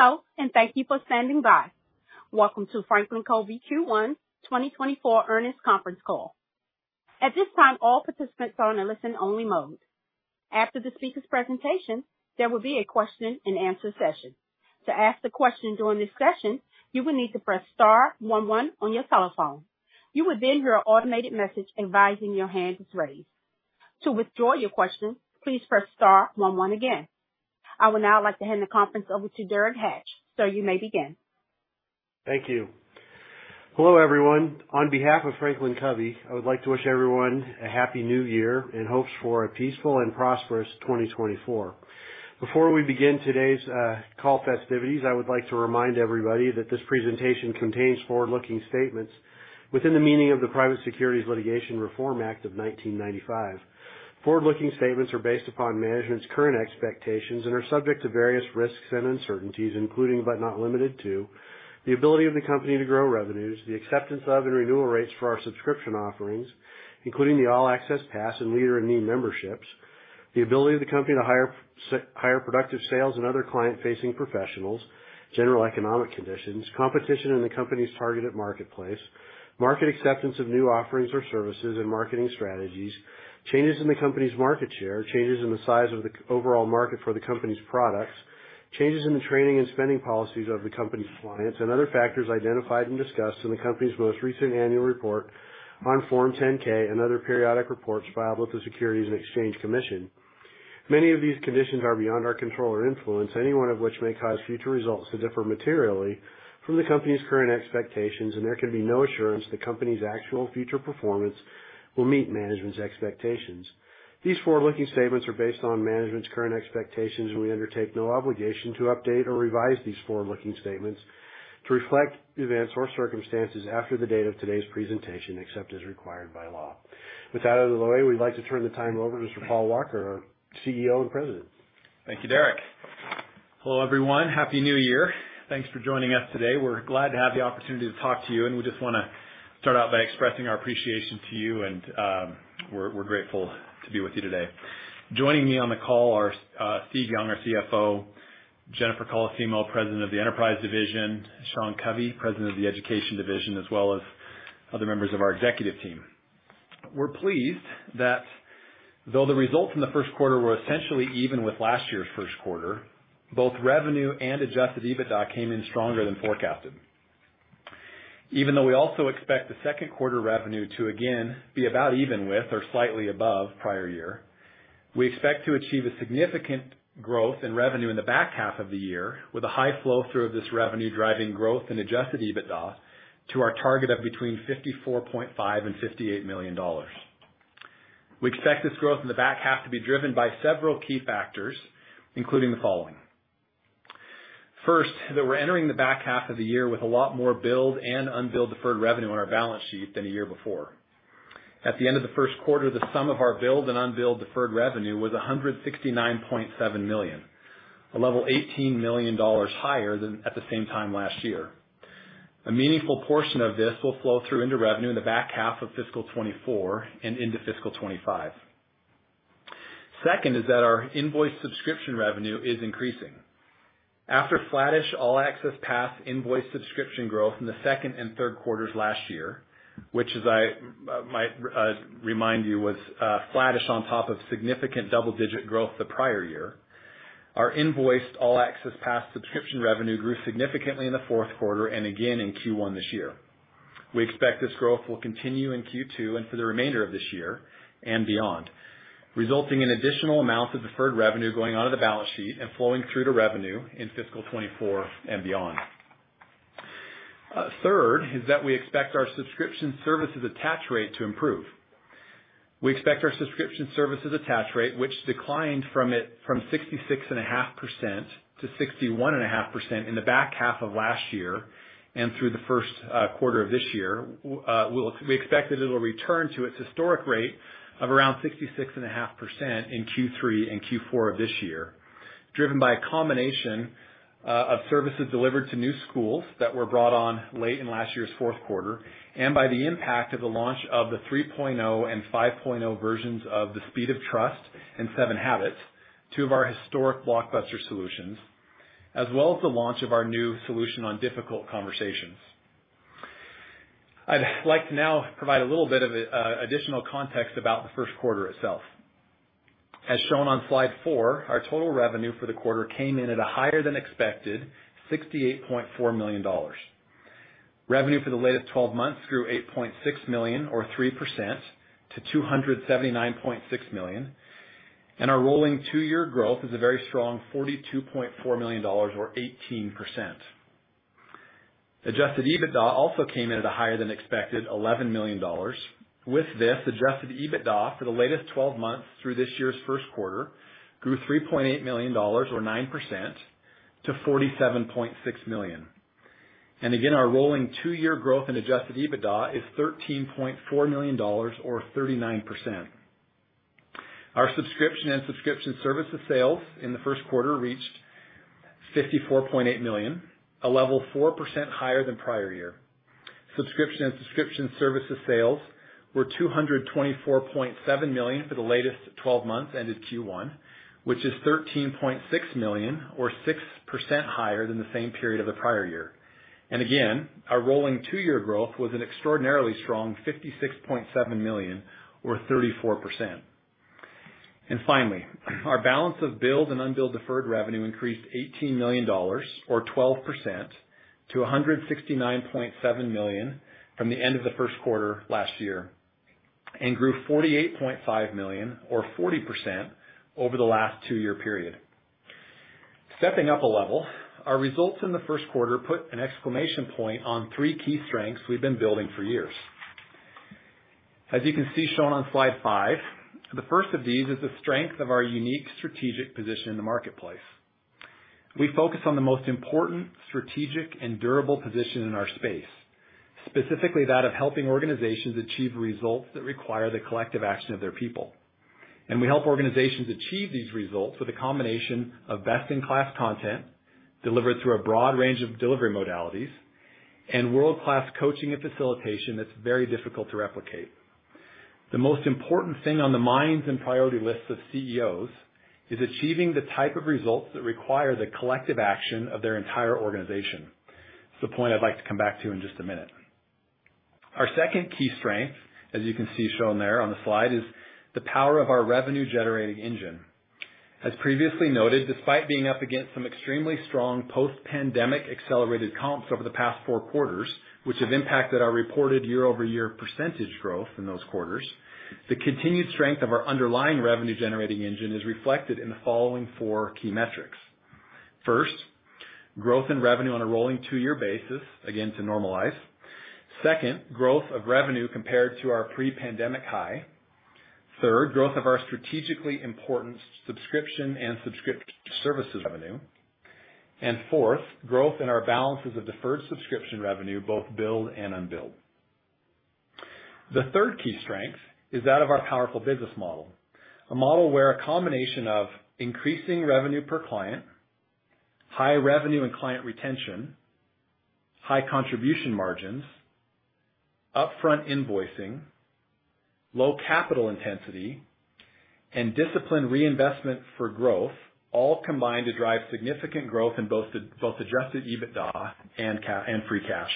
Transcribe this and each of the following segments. Hello, and thank you for standing by. Welcome to FranklinCovey Q1 2024 Earnings Conference Call. At this time, all participants are on a listen-only mode. After the speakers' presentation, there will be a question-and-answer session. To ask a question during this session, you will need to press star one one on your telephone. You will then hear an automated message advising your hand is raised. To withdraw your question, please press star one one again. I would now like to hand the conference over to Derek Hatch, sir, you may begin. Thank you. Hello, everyone. On behalf of FranklinCovey, I would like to wish everyone a Happy New Year and hopes for a peaceful and prosperous 2024. Before we begin today's call festivities, I would like to remind everybody that this presentation contains forward-looking statements within the meaning of the Private Securities Litigation Reform Act of 1995. Forward-looking statements are based upon management's current expectations and are subject to various risks and uncertainties, including, but not limited to, the ability of the company to grow revenues, the acceptance of and renewal rates for our subscription offerings, including the All Access Pass and Leader in Me memberships, the ability of the company to hire productive sales and other client-facing professionals, general economic conditions, competition in the company's targeted marketplace, market acceptance of new offerings or services and marketing strategies, changes in the company's market share, changes in the size of the overall market for the company's products, changes in the training and spending policies of the company's clients, and other factors identified and discussed in the company's most recent annual report on Form 10-K and other periodic reports filed with the Securities and Exchange Commission. Many of these conditions are beyond our control or influence, any one of which may cause future results to differ materially from the company's current expectations, and there can be no assurance the company's actual future performance will meet management's expectations. These forward-looking statements are based on management's current expectations, and we undertake no obligation to update or revise these forward-looking statements to reflect events or circumstances after the date of today's presentation, except as required by law. With that out of the way, we'd like to turn the time over to Paul Walker, our CEO and President. Thank you, Derek. Hello, everyone. Happy New Year! Thanks for joining us today. We're glad to have the opportunity to talk to you, and we just wanna start out by expressing our appreciation to you and, we're grateful to be with you today. Joining me on the call are Steve Young, our CFO, Jennifer Colosimo, President of the Enterprise Division, Sean Covey, President of the Education Division, as well as other members of our executive team. We're pleased that though the results in the first quarter were essentially even with last year's first quarter, both revenue and adjusted EBITDA came in stronger than forecasted. Even though we also expect the second quarter revenue to again be about even with or slightly above prior year, we expect to achieve a significant growth in revenue in the back half of the year, with a high flow through of this revenue, driving growth in adjusted EBITDA to our target of between $54.5 million and $58 million. We expect this growth in the back half to be driven by several key factors, including the following: First, that we're entering the back half of the year with a lot more billed and unbilled deferred revenue on our balance sheet than a year before. At the end of the first quarter, the sum of our billed and unbilled deferred revenue was $169.7 million, a level $18 million higher than at the same time last year. A meaningful portion of this will flow through into revenue in the back half of fiscal 2024 and into fiscal 2025. Second is that our invoiced subscription revenue is increasing. After flattish All Access Pass invoiced subscription growth in the second and third quarters last year, which is, I might remind you, was flattish on top of significant double-digit growth the prior year. Our invoiced All Access Pass subscription revenue grew significantly in the fourth quarter and again in Q1 this year. We expect this growth will continue in Q2 and for the remainder of this year and beyond, resulting in additional amounts of deferred revenue going onto the balance sheet and flowing through to revenue in fiscal 2024 and beyond. Third is that we expect our subscription services attach rate to improve. We expect our subscription services attach rate, which declined from 66.5% to 61.5% in the back half of last year and through the first quarter of this year. We expect that it'll return to its historic rate of around 66.5% in Q3 and Q4 of this year, driven by a combination of services delivered to new schools that were brought on late in last year's fourth quarter, and by the impact of the launch of the 3.0 and 5.0 versions of the Speed of Trust and 7 Habits, two of our historic blockbuster solutions, as well as the launch of our new solution on difficult conversations. I'd like to now provide a little bit of additional context about the first quarter itself. As shown on slide 4, our total revenue for the quarter came in at a higher than expected $68.4 million. Revenue for the latest 12 months grew $8.6 million, or 3% to $279.6 million, and our rolling two-year growth is a very strong $42.4 million, or 18%. Adjusted EBITDA also came in at a higher than expected $11 million. With this, adjusted EBITDA for the latest 12 months through this year's first quarter grew $3.8 million, or 9% to $47.6 million. And again, our rolling two-year growth in adjusted EBITDA is $13.4 million, or 39%. Our subscription and subscription services sales in the first quarter reached $54.8 million, a level 4% higher than prior year. Subscription and subscription services sales were $224.7 million for the latest 12-months, ended Q1, which is $13.6 million, or 6% higher than the same period of the prior year. And again, our rolling two-year growth was an extraordinarily strong $56.7 million, or 34%. And finally, our balance of billed and unbilled deferred revenue increased $18 million, or 12%, to $169.7 million from the end of the first quarter last year, and grew $48.5 million, or 40%, over the last two-year period. Stepping up a level, our results in the first quarter put an exclamation point on three key strengths we've been building for years. As you can see, shown on slide 5, the first of these is the strength of our unique strategic position in the marketplace. We focus on the most important strategic and durable position in our space, specifically that of helping organizations achieve results that require the collective action of their people. We help organizations achieve these results with a combination of best-in-class content delivered through a broad range of delivery modalities and world-class coaching and facilitation that's very difficult to replicate. The most important thing on the minds and priority lists of CEOs is achieving the type of results that require the collective action of their entire organization. It's a point I'd like to come back to in just a minute. Our second key strength, as you can see shown there on the slide, is the power of our revenue-generating engine. As previously noted, despite being up against some extremely strong post-pandemic accelerated comps over the past four quarters, which have impacted our reported year-over-year percentage growth in those quarters, the continued strength of our underlying revenue-generating engine is reflected in the following four key metrics. First, growth in revenue on a rolling two-year basis, again, to normalize. Second, growth of revenue compared to our pre-pandemic high. Third, growth of our strategically important subscription and subscription services revenue. And fourth, growth in our balances of deferred subscription revenue, both billed and unbilled. The third key strength is that of our powerful business model. A model where a combination of increasing revenue per client, high revenue and client retention, high contribution margins, upfront invoicing, low capital intensity, and disciplined reinvestment for growth, all combine to drive significant growth in both adjusted EBITDA and free cash.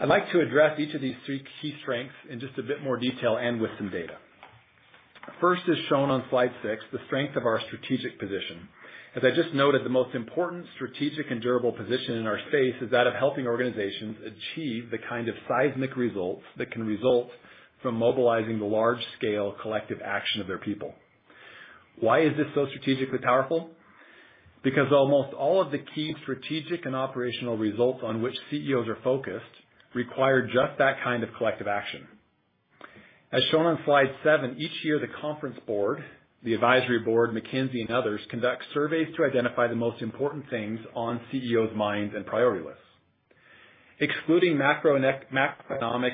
I'd like to address each of these three key strengths in just a bit more detail and with some data. First, as shown on slide 6, the strength of our strategic position. As I just noted, the most important strategic and durable position in our space is that of helping organizations achieve the kind of seismic results that can result from mobilizing the large-scale collective action of their people. Why is this so strategically powerful? Because almost all of the key strategic and operational results on which CEOs are focused require just that kind of collective action. As shown on slide 7, each year, The Conference Board, the Advisory Board, McKinsey and others, conduct surveys to identify the most important things on CEOs' minds and priority lists. Excluding macroeconomic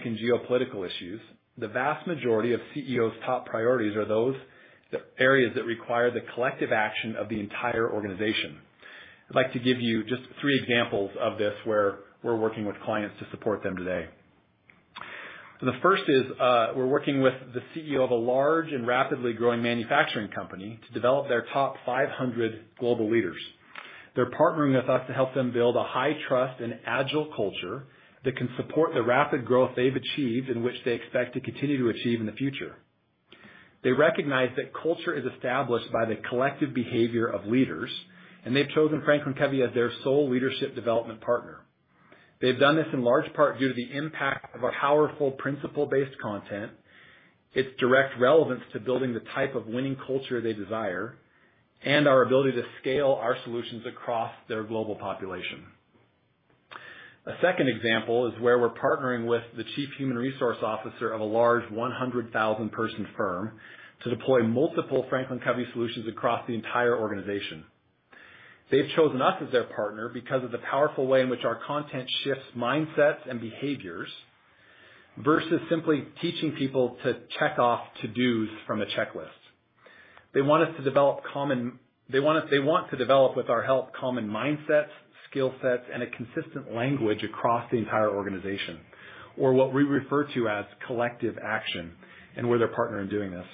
and geopolitical issues, the vast majority of CEOs' top priorities are those, the areas that require the collective action of the entire organization. I'd like to give you just three examples of this, where we're working with clients to support them today. So the first is, we're working with the CEO of a large and rapidly growing manufacturing company to develop their top 500 global leaders. They're partnering with us to help them build a high trust and agile culture that can support the rapid growth they've achieved, and which they expect to continue to achieve in the future. They recognize that culture is established by the collective behavior of leaders, and they've chosen FranklinCovey as their sole leadership development partner. They've done this in large part due to the impact of our powerful principle-based content, its direct relevance to building the type of winning culture they desire, and our ability to scale our solutions across their global population. A second example is where we're partnering with the Chief Human Resource Officer of a large 100,000-person firm to deploy multiple FranklinCovey solutions across the entire organization. They've chosen us as their partner because of the powerful way in which our content shifts mindsets and behaviors, versus simply teaching people to check off to-dos from a checklist. They want to develop, with our help, common mindsets, skill sets, and a consistent language across the entire organization, or what we refer to as collective action, and we're their partner in doing this.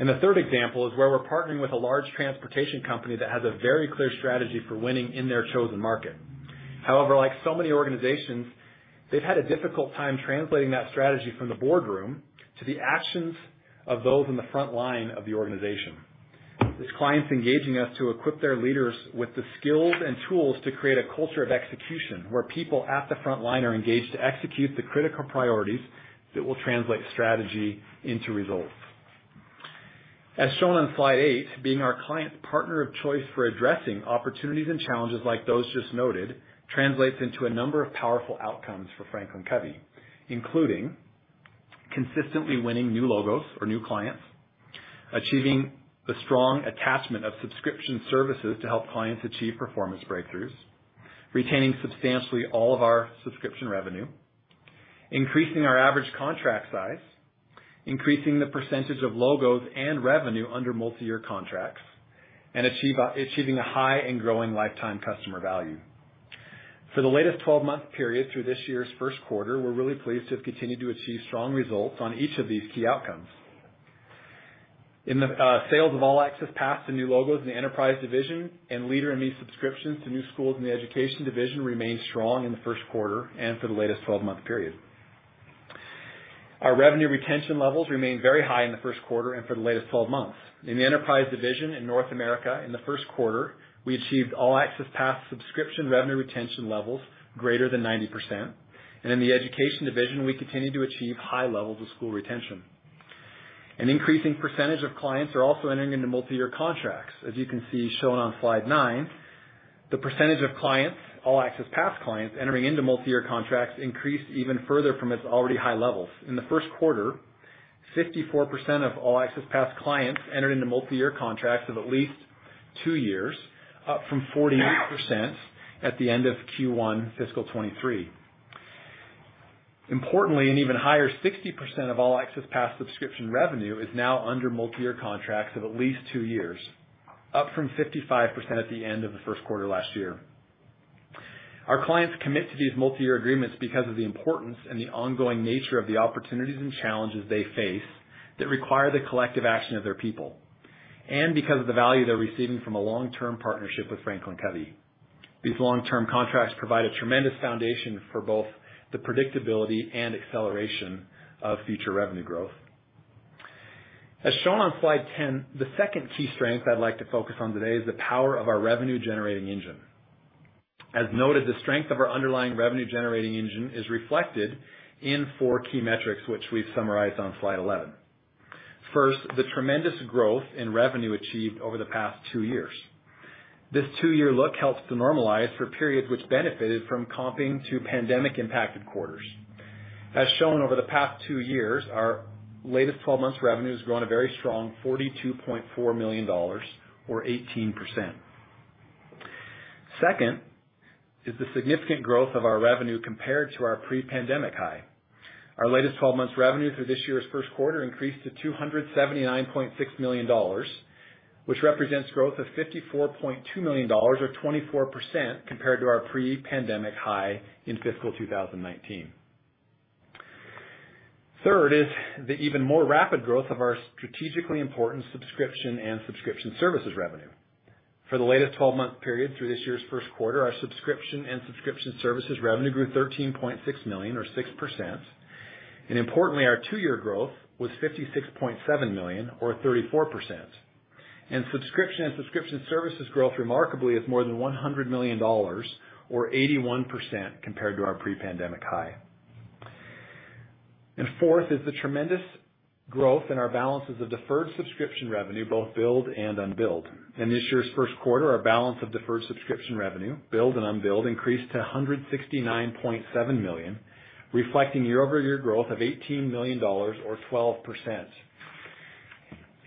The third example is where we're partnering with a large transportation company that has a very clear strategy for winning in their chosen market. However, like so many organizations, they've had a difficult time translating that strategy from the boardroom to the actions of those in the front line of the organization. This client's engaging us to equip their leaders with the skills and tools to create a culture of execution, where people at the front line are engaged to execute the critical priorities that will translate strategy into results. As shown on slide 8, being our client's partner of choice for addressing opportunities and challenges like those just noted, translates into a number of powerful outcomes for FranklinCovey, including consistently winning new logos or new clients, achieving the strong attachment of subscription services to help clients achieve performance breakthroughs, retaining substantially all of our subscription revenue.... Increasing our average contract size, increasing the percentage of logos and revenue under multi-year contracts, and achieving a high and growing lifetime customer value. For the latest 12-month period through this year's first quarter, we're really pleased to have continued to achieve strong results on each of these key outcomes. In the sales of All Access Pass to new logos in the Enterprise Division and Leader in Me subscriptions to new schools in the Education Division remained strong in the first quarter and for the latest 12-month period. Our revenue retention levels remained very high in the first quarter and for the latest 12 months. In the Enterprise Division in North America, in the first quarter, we achieved All Access Pass subscription revenue retention levels greater than 90%, and in the Education Division, we continued to achieve high levels of school retention. An increasing percentage of clients are also entering into multi-year contracts. As you can see, shown on slide 9, the percentage of clients, All Access Pass clients, entering into multi-year contracts increased even further from its already high levels. In the first quarter, 54% of All Access Pass clients entered into multi-year contracts of at least two years, up from 48% at the end of Q1 fiscal 2023. Importantly, an even higher 60% of All Access Pass subscription revenue is now under multi-year contracts of at least two years, up from 55% at the end of the first quarter last year. Our clients commit to these multi-year agreements because of the importance and the ongoing nature of the opportunities and challenges they face that require the collective action of their people, and because of the value they're receiving from a long-term partnership with FranklinCovey. These long-term contracts provide a tremendous foundation for both the predictability and acceleration of future revenue growth. As shown on slide 10, the second key strength I'd like to focus on today is the power of our revenue-generating engine. As noted, the strength of our underlying revenue-generating engine is reflected in four key metrics, which we've summarized on slide 11. First, the tremendous growth in revenue achieved over the past two years. This two-year look helps to normalize for periods which benefited from comping to pandemic-impacted quarters. As shown over the past two years, our latest 12 months' revenue has grown a very strong $42.4 million or 18%. Second, is the significant growth of our revenue compared to our pre-pandemic high. Our latest 12 months' revenue through this year's first quarter increased to $279.6 million, which represents growth of $54.2 million or 24% compared to our pre-pandemic high in fiscal 2019. Third is the even more rapid growth of our strategically important subscription and subscription services revenue. For the latest 12-month period through this year's first quarter, our subscription and subscription services revenue grew $13.6 million or 6%, and importantly, our two-year growth was $56.7 million or 34%. And subscription and subscription services growth, remarkably, is more than $100 million or 81% compared to our pre-pandemic high. And fourth is the tremendous growth in our balances of deferred subscription revenue, both billed and unbilled. In this year's first quarter, our balance of deferred subscription revenue, billed and unbilled, increased to $169.7 million, reflecting year-over-year growth of $18 million or 12%.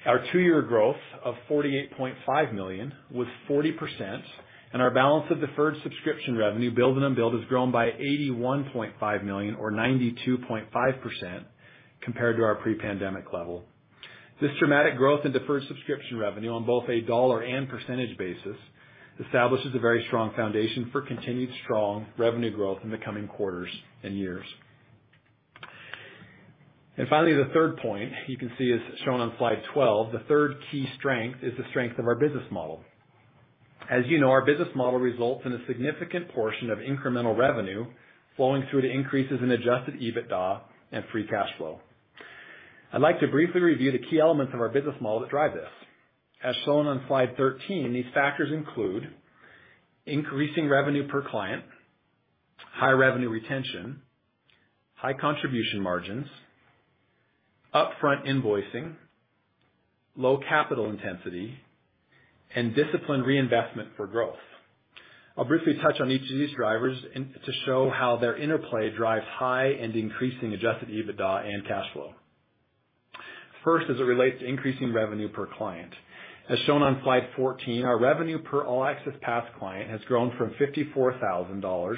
Our two-year growth of $48.5 million was 40%, and our balance of deferred subscription revenue, billed and unbilled, has grown by $81.5 million or 92.5% compared to our pre-pandemic level. This dramatic growth in deferred subscription revenue on both a dollar and percentage basis establishes a very strong foundation for continued strong revenue growth in the coming quarters and years. And finally, the third point you can see is shown on slide 12. The third key strength is the strength of our business model. As you know, our business model results in a significant portion of incremental revenue flowing through to increases in adjusted EBITDA and free cash flow. I'd like to briefly review the key elements of our business model that drive this. As shown on slide 13, these factors include increasing revenue per client, high revenue retention, high contribution margins, upfront invoicing, low capital intensity, and disciplined reinvestment for growth. I'll briefly touch on each of these drivers and to show how their interplay drives high and increasing adjusted EBITDA and cash flow. First, as it relates to increasing revenue per client. As shown on slide 14, our revenue per All Access Pass client has grown from $54,000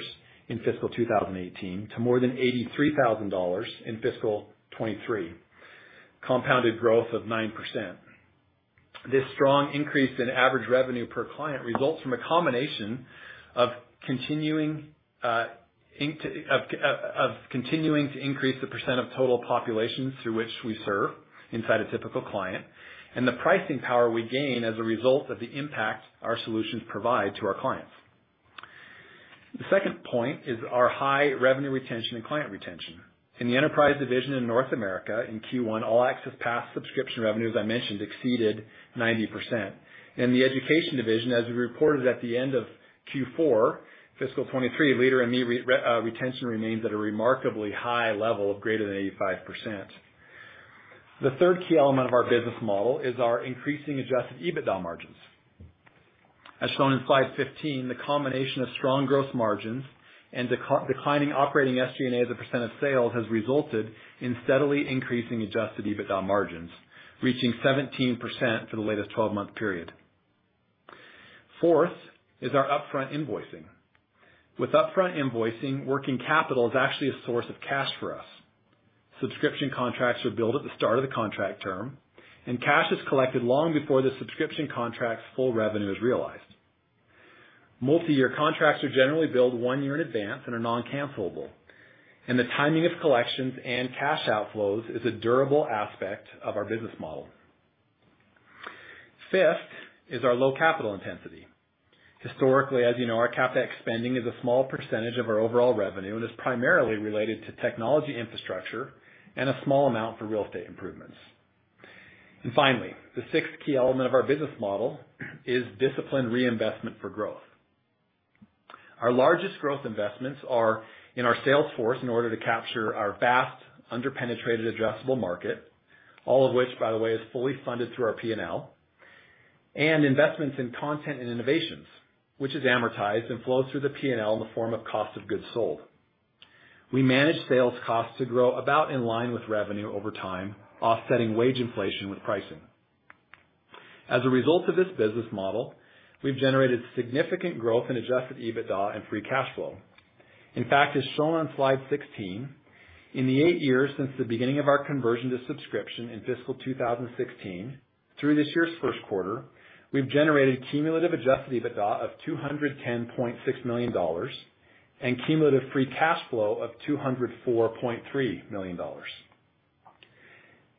in fiscal 2018 to more than $83,000 in fiscal 2023, compounded growth of 9%. This strong increase in average revenue per client results from a combination of continuing to increase the percent of total population through which we serve inside a typical client, and the pricing power we gain as a result of the impact our solutions provide to our clients. The second point is our high revenue retention and client retention. In the Enterprise Division in North America, in Q1, All Access Pass subscription revenue, as I mentioned, exceeded 90%. In the Education Division, as we reported at the end of Q4, fiscal 2023, Leader in Me retention remains at a remarkably high level of greater than 85%. The third key element of our business model is our increasing adjusted EBITDA margins. As shown in slide 15, the combination of strong growth margins and declining operating SG&A as a percent of sales has resulted in steadily increasing adjusted EBITDA margins, reaching 17% for the latest 12-month period. Fourth, is our upfront invoicing. With upfront invoicing, working capital is actually a source of cash for us. Subscription contracts are billed at the start of the contract term, and cash is collected long before the subscription contract's full revenue is realized. Multi-year contracts are generally billed one year in advance and are non-cancellable, and the timing of collections and cash outflows is a durable aspect of our business model. Fifth, is our low capital intensity. Historically, as you know, our CapEx spending is a small percentage of our overall revenue and is primarily related to technology infrastructure and a small amount for real estate improvements. And finally, the sixth key element of our business model is disciplined reinvestment for growth. Our largest growth investments are in our sales force in order to capture our vast, under-penetrated addressable market, all of which, by the way, is fully funded through our P&L, and investments in content and innovations, which is amortized and flows through the P&L in the form of cost of goods sold. We manage sales costs to grow about in line with revenue over time, offsetting wage inflation with pricing. As a result of this business model, we've generated significant growth in adjusted EBITDA and free cash flow. In fact, as shown on slide 16, in the eight years since the beginning of our conversion to subscription in fiscal 2016, through this year's first quarter, we've generated cumulative adjusted EBITDA of $210.6 million and cumulative free cash flow of $204.3 million.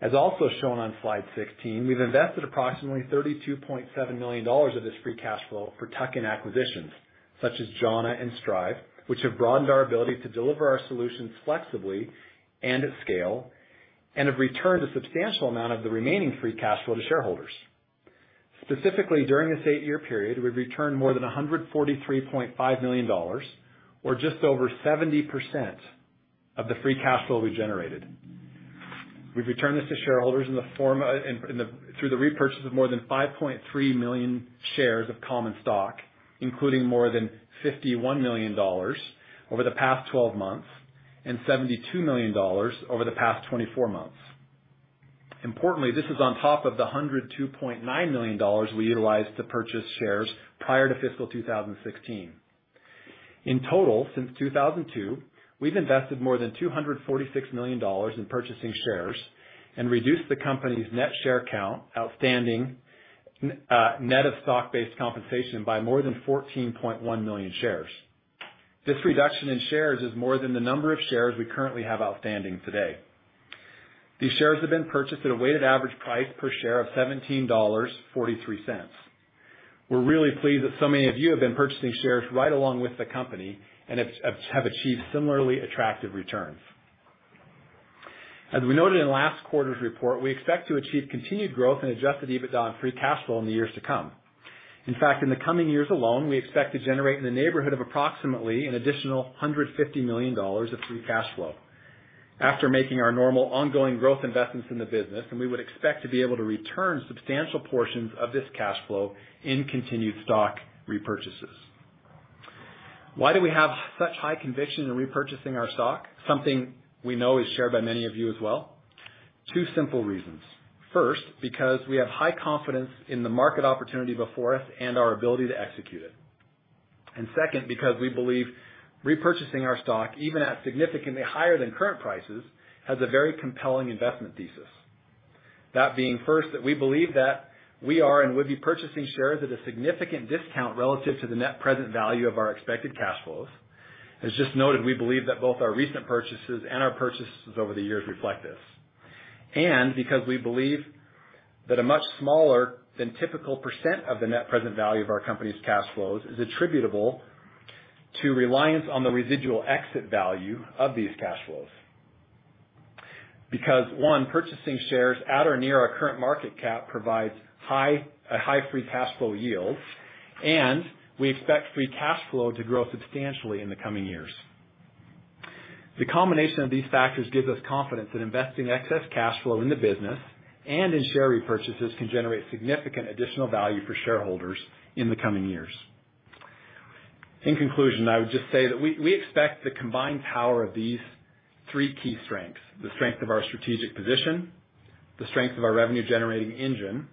As also shown on slide 16, we've invested approximately $32.7 million of this free cash flow for tuck-in acquisitions, such as Jhana and Strive, which have broadened our ability to deliver our solutions flexibly and at scale, and have returned a substantial amount of the remaining free cash flow to shareholders. Specifically, during this eight-year period, we've returned more than $143.5 million, or just over 70% of the free cash flow we generated. We've returned this to shareholders in the form of through the repurchase of more than 5.3 million shares of common stock, including more than $51 million over the past 12 months and $72 million over the past 24 months. Importantly, this is on top of the $102.9 million we utilized to purchase shares prior to fiscal 2016. In total, since 2002, we've invested more than $246 million in purchasing shares and reduced the company's net share count, outstanding, net of stock-based compensation, by more than 14.1 million shares. This reduction in shares is more than the number of shares we currently have outstanding today. These shares have been purchased at a weighted average price per share of $17.43. We're really pleased that so many of you have been purchasing shares right along with the company and have achieved similarly attractive returns. As we noted in last quarter's report, we expect to achieve continued growth in adjusted EBITDA and free cash flow in the years to come. In fact, in the coming years alone, we expect to generate in the neighborhood of approximately an additional $150 million of free cash flow. After making our normal ongoing growth investments in the business, and we would expect to be able to return substantial portions of this cash flow in continued stock repurchases. Why do we have such high conviction in repurchasing our stock? Something we know is shared by many of you as well. Two simple reasons. First, because we have high confidence in the market opportunity before us and our ability to execute it. And second, because we believe repurchasing our stock, even at significantly higher than current prices, has a very compelling investment thesis. That being first, that we believe that we are and would be purchasing shares at a significant discount relative to the net present value of our expected cash flows. As just noted, we believe that both our recent purchases and our purchases over the years reflect this. And because we believe that a much smaller than typical percent of the net present value of our company's cash flows is attributable to reliance on the residual exit value of these cash flows. Because one, purchasing shares at or near our current market cap provides a high free cash flow yield, and we expect free cash flow to grow substantially in the coming years. The combination of these factors gives us confidence that investing excess cash flow in the business and in share repurchases can generate significant additional value for shareholders in the coming years. In conclusion, I would just say that we, we expect the combined power of these three key strengths, the strength of our strategic position, the strength of our revenue-generating engine,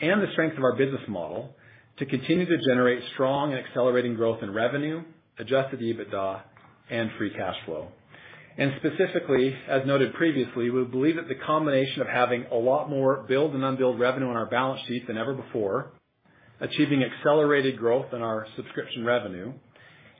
and the strength of our business model, to continue to generate strong and accelerating growth in revenue, adjusted EBITDA, and free cash flow. Specifically, as noted previously, we believe that the combination of having a lot more billed and unbilled revenue on our balance sheet than ever before, achieving accelerated growth in our subscription revenue,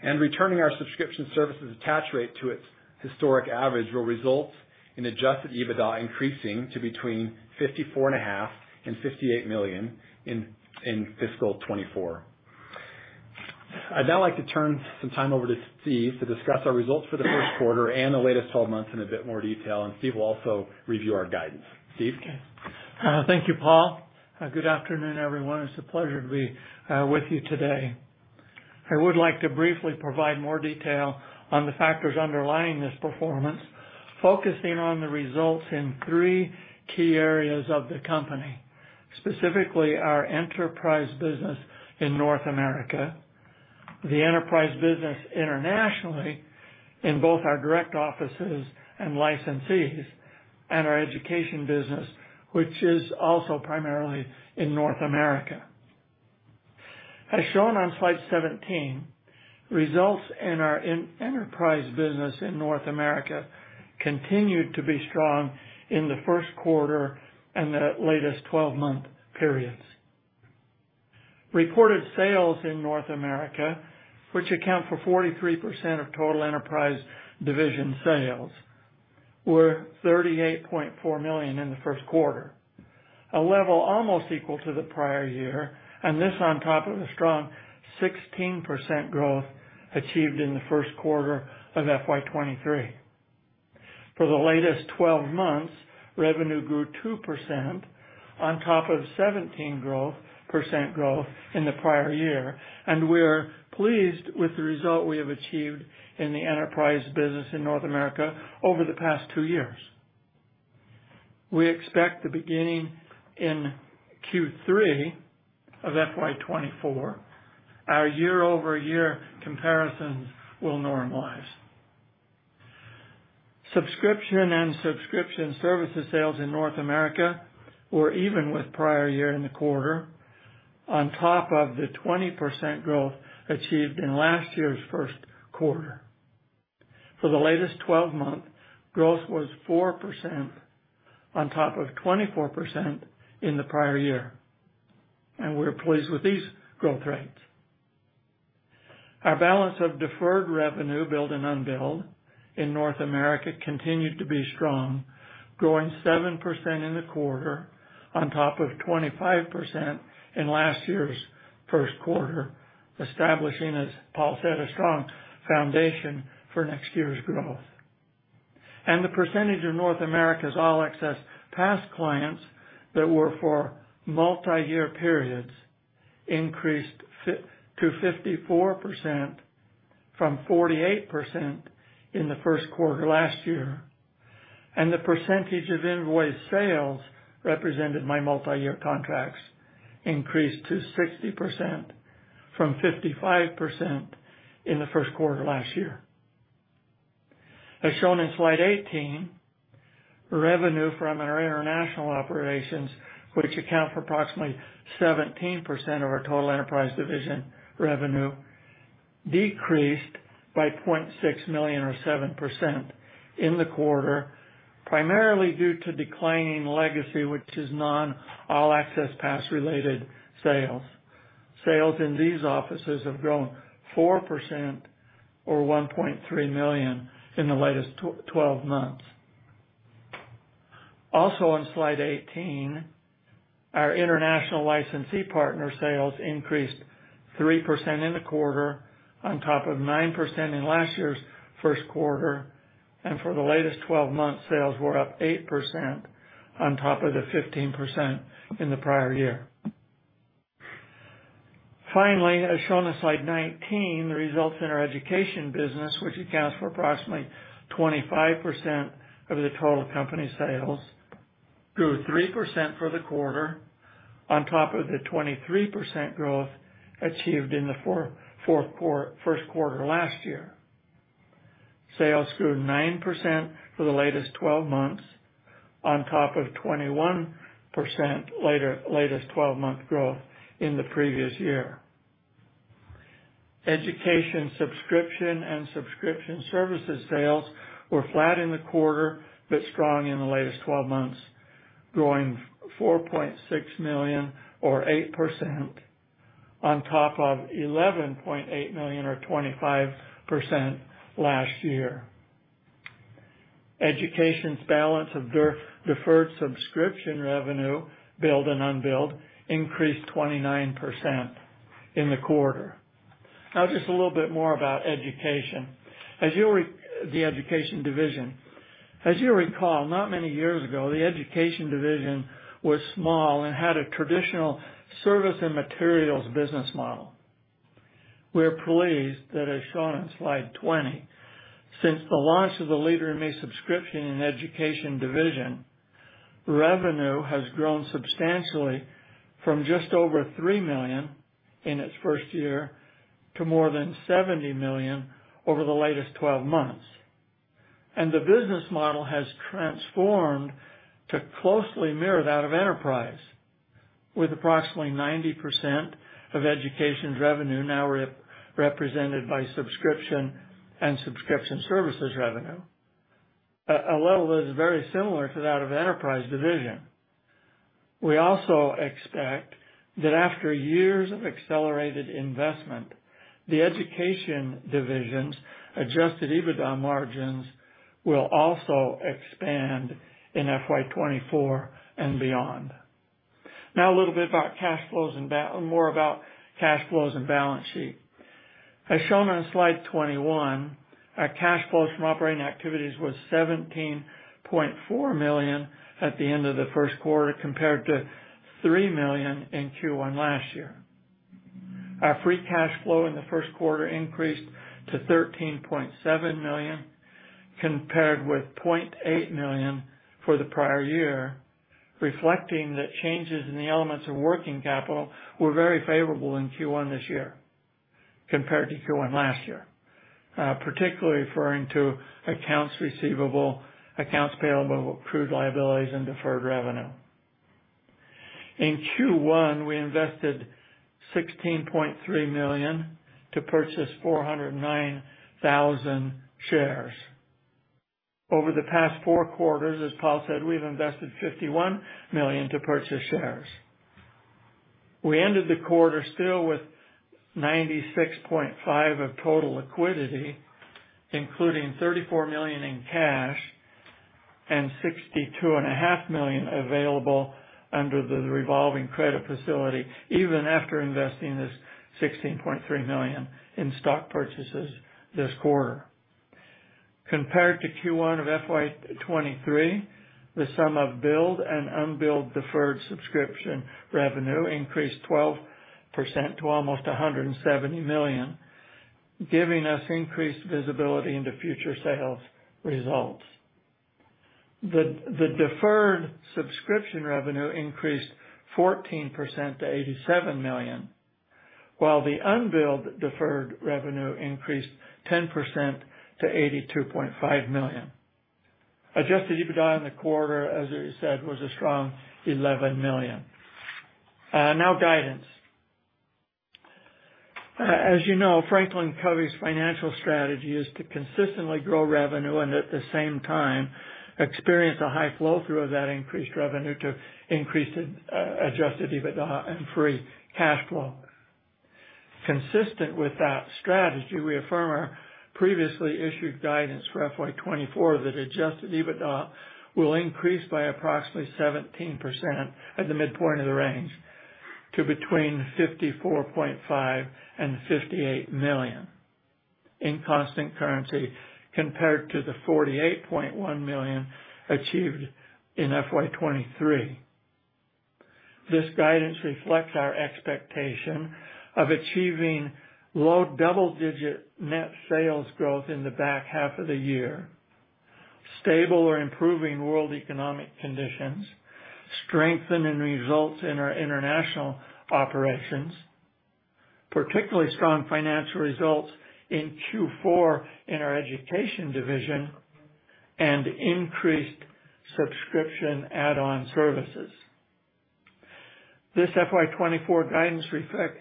and returning our subscription services attach rate to its historic average, will result in adjusted EBITDA increasing to between $54.5 million and $58 million in fiscal 2024. I'd now like to turn some time over to Steve to discuss our results for the first quarter and the latest 12 months in a bit more detail, and Steve will also review our guidance. Steve? Okay. Thank you, Paul. Good afternoon, everyone. It's a pleasure to be with you today. I would like to briefly provide more detail on the factors underlying this performance, focusing on the results in three key areas of the company, specifically our enterprise business in North America. The enterprise business internationally in both our direct offices and licensees and our Education business, which is also primarily in North America. As shown on slide 17, results in our enterprise business in North America continued to be strong in the first quarter and the latest 12-month periods. Reported sales in North America, which account for 43% of total Enterprise Division sales, were $38.4 million in the first quarter, a level almost equal to the prior year, and this on top of a strong 16% growth achieved in the first quarter of FY 2023. For the latest 12 months, revenue grew 2% on top of 17% growth in the prior year, and we're pleased with the result we have achieved in the enterprise business in North America over the past 2 years. We expect, beginning in Q3 of FY 2024, our year-over-year comparisons will normalize. Subscription and subscription services sales in North America were even with prior year in the quarter, on top of the 20% growth achieved in last year's first quarter. For the latest 12-month, growth was 4% on top of 24% in the prior year, and we're pleased with these growth rates. Our balance of deferred revenue, billed and unbilled, in North America continued to be strong, growing 7% in the quarter on top of 25% in last year's first quarter, establishing, as Paul said, a strong foundation for next year's growth. The percentage of North America's All Access Pass clients that were for multiyear periods increased to 54% from 48% in the first quarter last year. The percentage of invoice sales represented by multiyear contracts increased to 60% from 55% in the first quarter last year. As shown in slide 18, revenue from our international operations, which account for approximately 17% of our total Enterprise Division revenue, decreased by $0.6 million or 7% in the quarter, primarily due to declining legacy, which is non-All Access Pass related sales. Sales in these offices have grown 4% or $1.3 million in the latest 12 months. Also on slide 18, our international licensee partner sales increased 3% in the quarter on top of 9% in last year's first quarter, and for the latest 12 months, sales were up 8% on top of the 15% in the prior year. Finally, as shown in slide 19, the results in our Education business, which accounts for approximately 25% of the total company sales, grew 3% for the quarter on top of the 23% growth achieved in the first quarter last year. Sales grew 9% for the latest 12 months, on top of 21% latest 12-month growth in the previous year. Education subscription and subscription services sales were flat in the quarter, but strong in the latest 12 months, growing $4.6 million or 8%, on top of $11.8 million or 25% last year. Education's balance of deferred subscription revenue, billed and unbilled, increased 29% in the quarter. Now, just a little bit more about Education. As you recall, not many years ago, the Education Division was small and had a traditional service and materials business model. We are pleased that, as shown in slide 20, since the launch of the Leader in Me subscription and Education Division, revenue has grown substantially from just over $3 million in its first year to more than $70 million over the latest 12-months. The business model has transformed to closely mirror that of enterprise, with approximately 90% of Education's revenue now represented by subscription and subscription services revenue, a level that is very similar to that of Enterprise Division. We also expect that after years of accelerated investment, the Education Division's adjusted EBITDA margins will also expand in FY 2024 and beyond. Now, a little bit more about cash flows and balance sheet. As shown on slide 21, our cash flows from operating activities was $17.4 million at the end of the first quarter, compared to $3 million in Q1 last year. Our free cash flow in the first quarter increased to $13.7 million. Compared with $0.8 million for the prior year, reflecting that changes in the elements of working capital were very favorable in Q1 this year compared to Q1 last year, particularly referring to accounts receivable, accounts payable, accrued liabilities, and deferred revenue. In Q1, we invested $16.3 million to purchase 409,000 shares. Over the past four quarters, as Paul said, we've invested $51 million to purchase shares. We ended the quarter still with $96.5 million of total liquidity, including $34 million in cash and $62.5 million available under the revolving credit facility, even after investing this $16.3 million in stock purchases this quarter. Compared to Q1 of FY 2023, the sum of billed and unbilled deferred subscription revenue increased 12% to almost $170 million, giving us increased visibility into future sales results. The deferred subscription revenue increased 14% to $87 million, while the unbilled deferred revenue increased 10% to $82.5 million. Adjusted EBITDA in the quarter, as I said, was a strong $11 million. Now, guidance. As you know, FranklinCovey's financial strategy is to consistently grow revenue and, at the same time, experience a high flow-through of that increased revenue to increase it, adjusted EBITDA and free cash flow. Consistent with that strategy, we affirm our previously issued guidance for FY 2024, that adjusted EBITDA will increase by approximately 17% at the midpoint of the range to between $54.5 million and $58 million in constant currency, compared to the $48.1 million achieved in FY 2023. This guidance reflects our expectation of achieving low double-digit net sales growth in the back half of the year, stable or improving world economic conditions, strength in and results in our international operations, particularly strong financial results in Q4 in our Education Division, and increased subscription add-on services. This FY 2024 guidance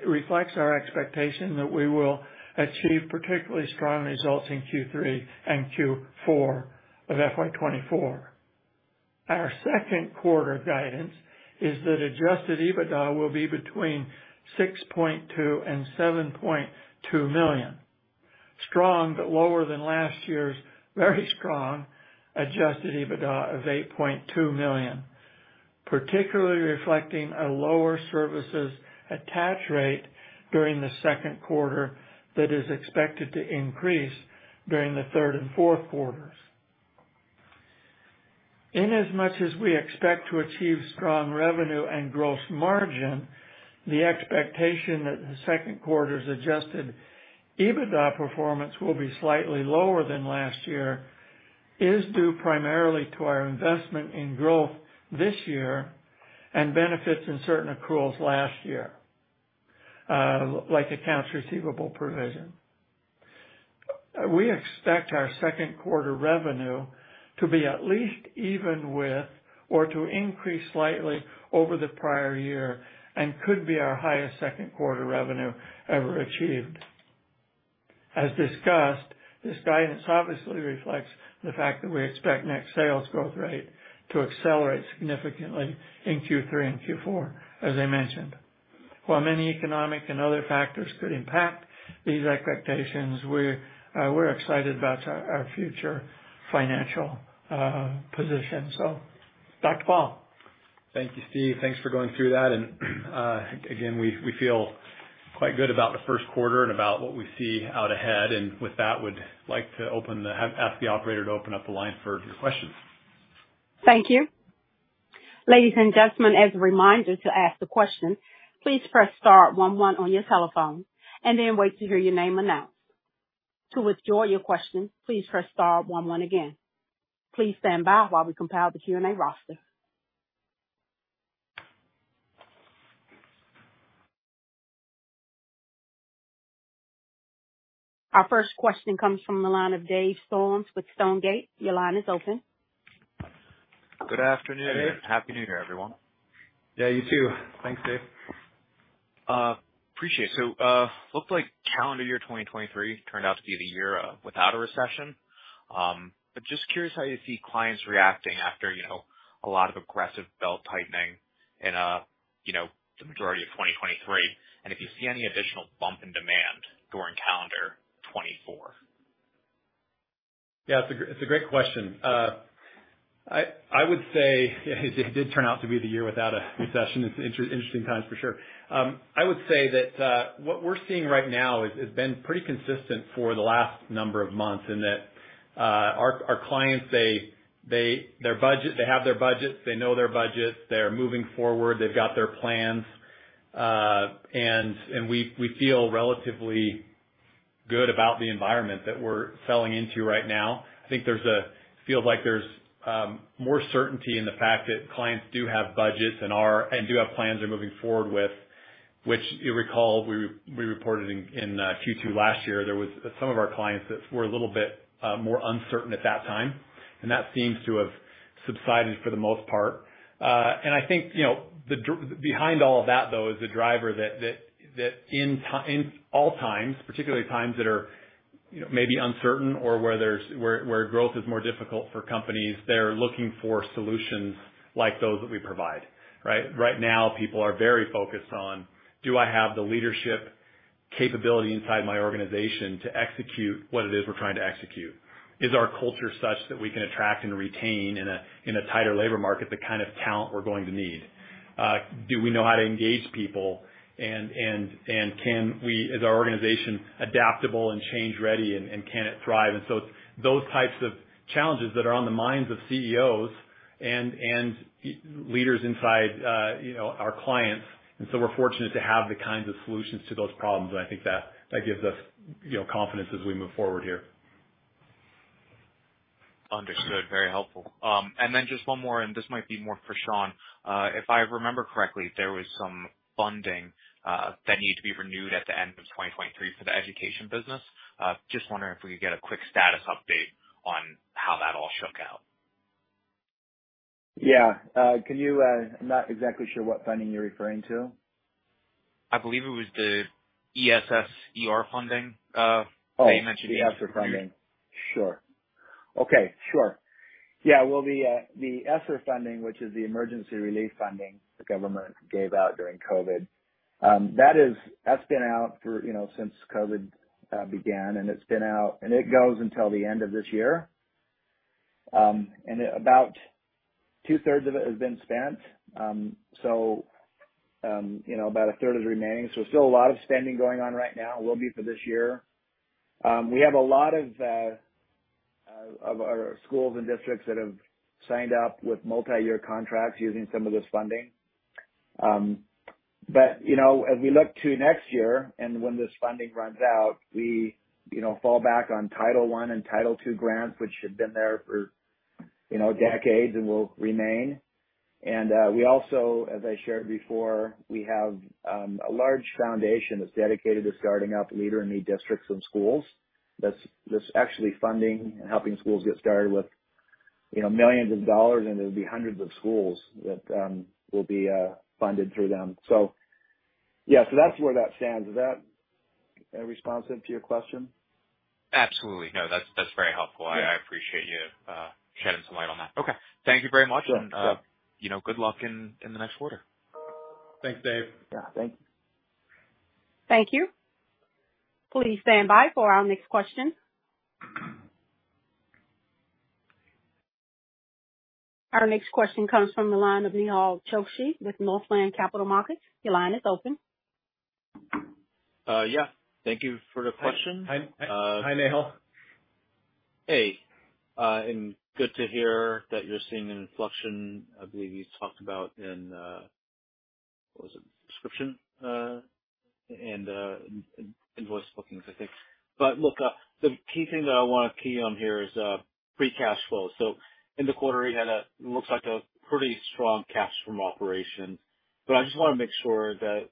reflects our expectation that we will achieve particularly strong results in Q3 and Q4 of FY 2024. Our second quarter guidance is that adjusted EBITDA will be between $6.2 million and $7.2 million, strong but lower than last year's very strong adjusted EBITDA of $8.2 million, particularly reflecting a lower services attach rate during the second quarter that is expected to increase during the third and fourth quarters. Inasmuch as we expect to achieve strong revenue and gross margin, the expectation that the second quarter's adjusted EBITDA performance will be slightly lower than last year is due primarily to our investment in growth this year and benefits in certain accruals last year, like accounts receivable provision. We expect our second quarter revenue to be at least even with or to increase slightly over the prior year and could be our highest second quarter revenue ever achieved. As discussed, this guidance obviously reflects the fact that we expect net sales growth rate to accelerate significantly in Q3 and Q4, as I mentioned. While many economic and other factors could impact these expectations, we're excited about our future financial position. So back to Paul. Thank you, Steve. Thanks for going through that. Again, we feel quite good about the first quarter and about what we see out ahead. With that, would like to ask the operator to open up the line for your questions. Thank you. Ladies and gentlemen, as a reminder, to ask a question, please press star one one on your telephone and then wait to hear your name announced. To withdraw your question, please press star one one again. Please stand by while we compile the Q&A roster. Our first question comes from the line of Dave Storms with Stonegate. Your line is open. Good afternoon. Happy New Year, everyone. Yeah, you too. Thanks, Dave. Appreciate it. So, looked like calendar year 2023 turned out to be the year without a recession. But just curious how you see clients reacting after, you know, a lot of aggressive belt-tightening in, you know, the majority of 2023, and if you see any additional bump in demand during calendar 2024. Yeah, it's a great, it's a great question. I would say it did turn out to be the year without a recession. It's interesting times, for sure. I would say that what we're seeing right now has been pretty consistent for the last number of months, in that our clients, they have their budgets, they know their budgets, they're moving forward, they've got their plans. And we feel relatively good about the environment that we're selling into right now. I think there's, feels like there's more certainty in the fact that clients do have budgets and are and do have plans they're moving forward with, which you recall, we reported in Q2 last year, there was some of our clients that were a little bit more uncertain at that time, and that seems to have subsided for the most part. And I think, you know, the driver behind all of that, though, is a driver that in time, in all times, particularly times that are, you know, maybe uncertain or where there's where growth is more difficult for companies, they're looking for solutions like those that we provide, right? Right now, people are very focused on: Do I have the leadership capability inside my organization to execute what it is we're trying to execute? Is our culture such that we can attract and retain in a tighter labor market, the kind of talent we're going to need? Do we know how to engage people? And can we, is our organization adaptable and change ready, and can it thrive? And so those types of challenges that are on the minds of CEOs and leaders inside, you know, our clients, and so we're fortunate to have the kinds of solutions to those problems. And I think that gives us, you know, confidence as we move forward here. Understood. Very helpful. And then just one more, and this might be more for Sean. If I remember correctly, there was some funding that needed to be renewed at the end of 2023 for the Education business. Just wondering if we could get a quick status update on how that all shook out. Yeah. Can you, I'm not exactly sure what funding you're referring to. I believe it was the ESSER funding, that you mentioned-- Oh, the ESSER funding. Sure. Okay. Sure. Yeah, well, the ESSER funding, which is the emergency relief funding the government gave out during COVID, that's been out for, you know, since COVID began, and it's been out, and it goes until the end of this year. And about two-thirds of it has been spent. So, you know, about a third is remaining, so still a lot of spending going on right now, will be for this year. We have a lot of our schools and districts that have signed up with multi-year contracts using some of this funding. But, you know, as we look to next year, and when this funding runs out, we, you know, fall back on Title I and Title II grants, which have been there for, you know, decades and will remain. And, we also, as I shared before, we have a large foundation that's dedicated to starting up Leader in Me in the districts and schools. That's actually funding and helping schools get started with, you know, millions of dollars, and it'll be hundreds of schools that will be funded through them. So yeah, so that's where that stands. Is that responsive to your question? Absolutely. No, that's, that's very helpful. I appreciate you shedding some light on that. Okay. Thank you very much. Sure, sure. You know, good luck in the next quarter. Thanks, Dave. Yeah. Thank you. Thank you. Please stand by for our next question. Our next question comes from the line of Nehal Chokshi with Northland Capital Markets. Your line is open. Yeah. Thank you for the question. Hi, Nehal. Hey, and good to hear that you're seeing an inflection. I believe you talked about in, what was it? Subscription, and, invoice bookings, I think. But look, the key thing that I wanna key on here is, free cash flow. So in the quarter, you had, looks like a pretty strong cash from operation, but I just wanna make sure that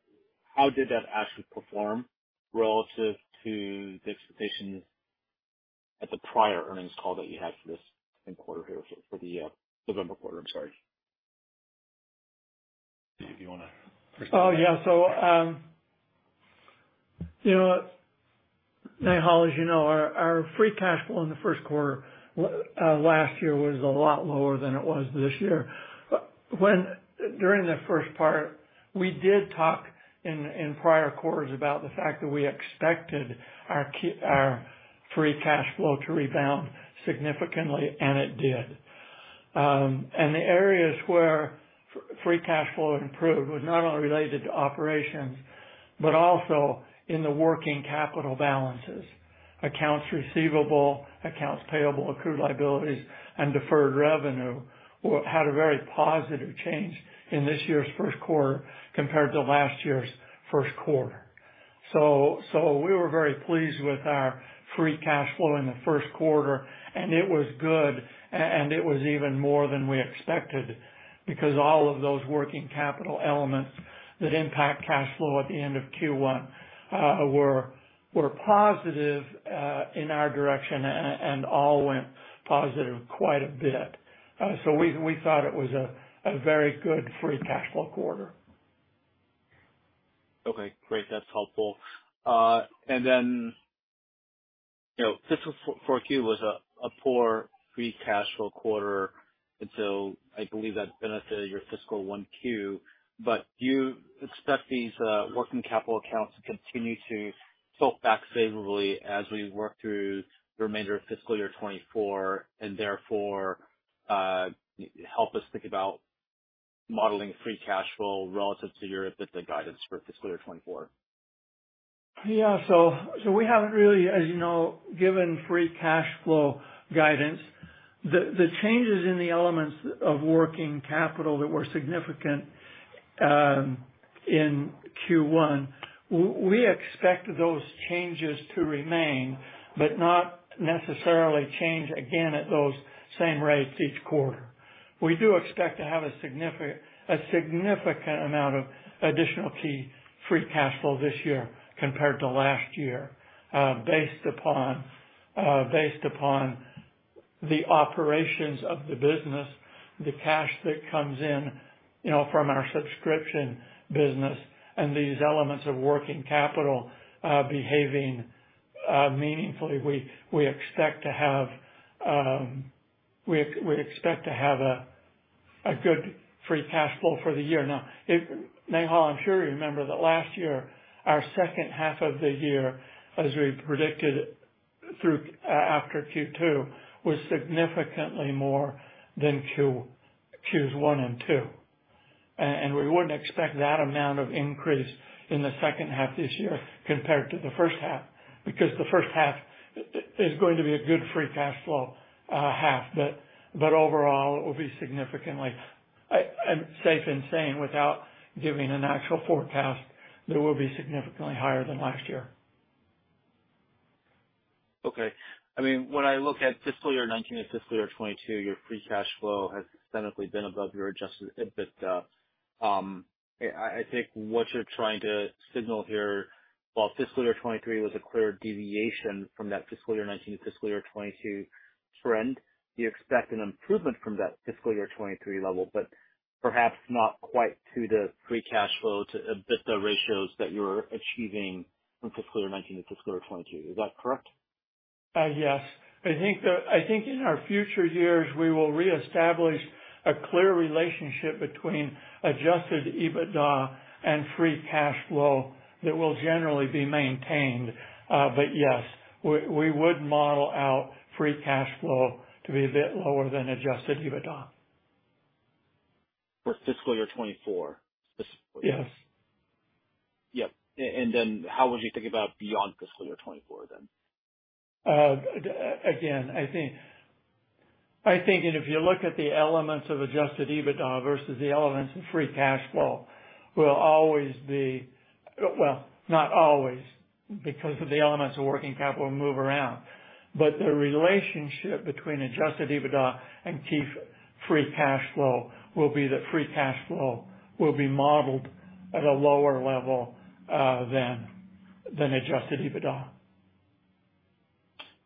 how did that actually perform relative to the expectations at the prior earnings call that you had for this same quarter here, for the, November quarter? I'm sorry. Do you wanna first? Oh, yeah. So, you know, Nehal, as you know, our free cash flow in the first quarter last year was a lot lower than it was this year. But during the first part, we did talk in prior quarters about the fact that we expected our free cash flow to rebound significantly, and it did. And the areas where free cash flow improved was not only related to operations, but also in the working capital balances, accounts receivable, accounts payable, accrued liabilities, and deferred revenue had a very positive change in this year's first quarter compared to last year's first quarter. So, we were very pleased with our free cash flow in the first quarter, and it was good, and it was even more than we expected, because all of those working capital elements that impact cash flow at the end of Q1 were positive in our direction, and all went positive quite a bit. So, we thought it was a very good free cash flow quarter. Okay, great. That's helpful. And then, you know, fiscal 4Q was a poor free cash flow quarter, and so I believe that benefited your fiscal 1Q. But do you expect these working capital accounts to continue to tilt back favorably as we work through the remainder of fiscal year 2024, and therefore, help us think about modeling free cash flow relative to your- the guidance for fiscal year 2024? Yeah, so, so we haven't really, as you know, given free cash flow guidance. The, the changes in the elements of working capital that were significant in Q1, we expect those changes to remain, but not necessarily change again at those same rates each quarter. We do expect to have a significant amount of additional key free cash flow this year compared to last year, based upon, based upon the operations of the business, the cash that comes in, you know, from our subscription business and these elements of working capital behaving meaningfully. We, we expect to have, we, we expect to have a, a good free cash flow for the year. Now, if, Nehal, I'm sure you remember that last year, our second half of the year, as we predicted through after Q2, was significantly more than Q1s and Q2s. And we wouldn't expect that amount of increase in the second half this year compared to the first half, because the first half is going to be a good free cash flow half. But overall, it will be significantly... I'm safe in saying, without giving an actual forecast, that it will be significantly higher than last year. Okay. I mean, when I look at fiscal year 2019 to fiscal year 2022, your free cash flow has systematically been above your adjusted EBITDA. I think what you're trying to signal here, while fiscal year 2023 was a clear deviation from that fiscal year 2019 to fiscal year 2022 trend, you expect an improvement from that fiscal year 2023 level, but perhaps not quite to the free cash flow to EBITDA ratios that you were achieving from fiscal year 2019 to fiscal year 2022. Is that correct? Yes. I think in our future years, we will reestablish a clear relationship between adjusted EBITDA and free cash flow that will generally be maintained. But yes, we would model out free cash flow to be a bit lower than adjusted EBITDA. For fiscal year 2024, specifically? Yes. Yep. And then how would you think about beyond fiscal year 2024 then? I think, and if you look at the elements of adjusted EBITDA versus the elements of free cash flow, will always be--Well, not always, because of the elements of working capital move around, but the relationship between adjusted EBITDA and key free cash flow will be that free cash flow will be modeled at a lower level than adjusted EBITDA.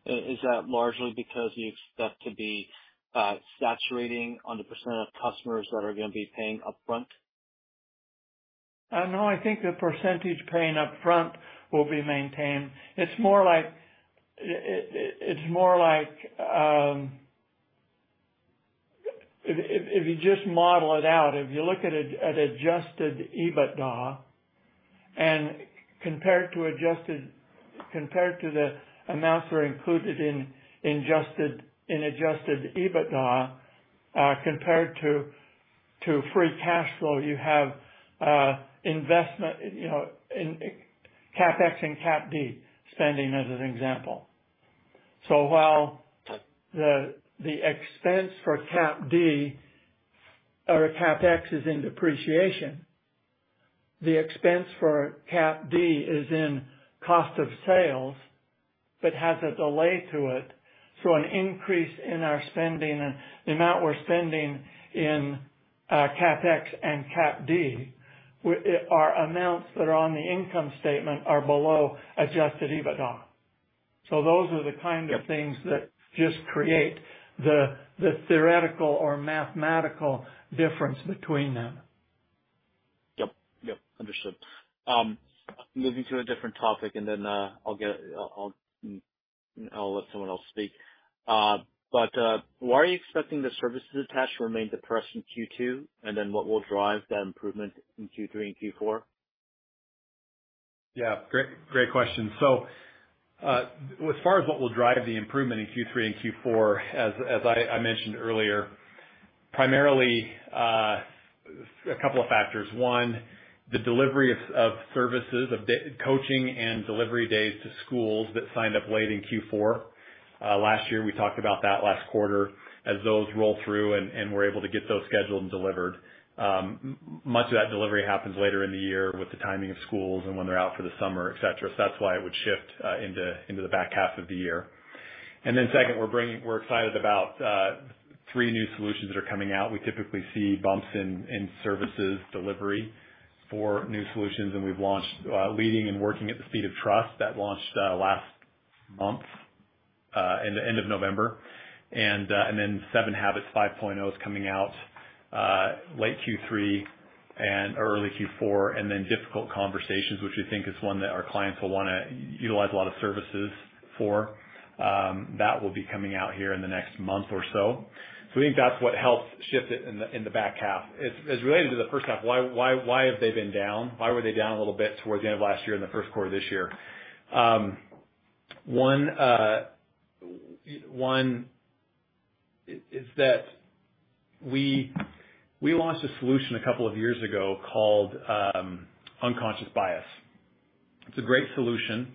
Is that largely because you expect to be saturating on the percent of customers that are gonna be paying upfront? No, I think the percentage paying upfront will be maintained. It's more like, it's more like, if you just model it out, if you look at adjusted EBITDA and compared to the amounts that are included in adjusted EBITDA, compared to free cash flow, you have investment, you know, in CapEx and CapD spending as an example. So while the expense for CapD or CapEx is in depreciation, the expense for CapD is in cost of sales, but has a delay to it. So an increase in our spending and the amount we're spending in CapEx and CapD, our amounts that are on the income statement are below adjusted EBITDA. So those are the kind of things that just create the theoretical or mathematical difference between them. Yep. Yep, understood. Moving to a different topic, and then I'll let someone else speak. But why are you expecting the services attached to remain depressed in Q2, and then what will drive that improvement in Q3 and Q4? Yeah, great, great question. So, as far as what will drive the improvement in Q3 and Q4, as I mentioned earlier, primarily, a couple of factors. One, the delivery of services, of coaching and delivery days to schools that signed up late in Q4 last year. We talked about that last quarter, as those roll through and we're able to get those scheduled and delivered. Much of that delivery happens later in the year with the timing of schools and when they're out for the summer, et cetera. So that's why it would shift into the back half of the year. And then second, we're bringing -- we're excited about three new solutions that are coming out. We typically see bumps in services delivery for new solutions, and we've launched Leading and Working at the Speed of Trust. That launched last month, in the end of November. And then 7 Habits 5.0 is coming out late Q3 and early Q4, and then Difficult Conversations, which we think is one that our clients will wanna utilize a lot of services for. That will be coming out here in the next month or so. So we think that's what helps shift it in the back half. As related to the first half, why have they been down? Why were they down a little bit towards the end of last year and the first quarter this year? One is that we launched a solution a couple of years ago called Unconscious Bias. It's a great solution.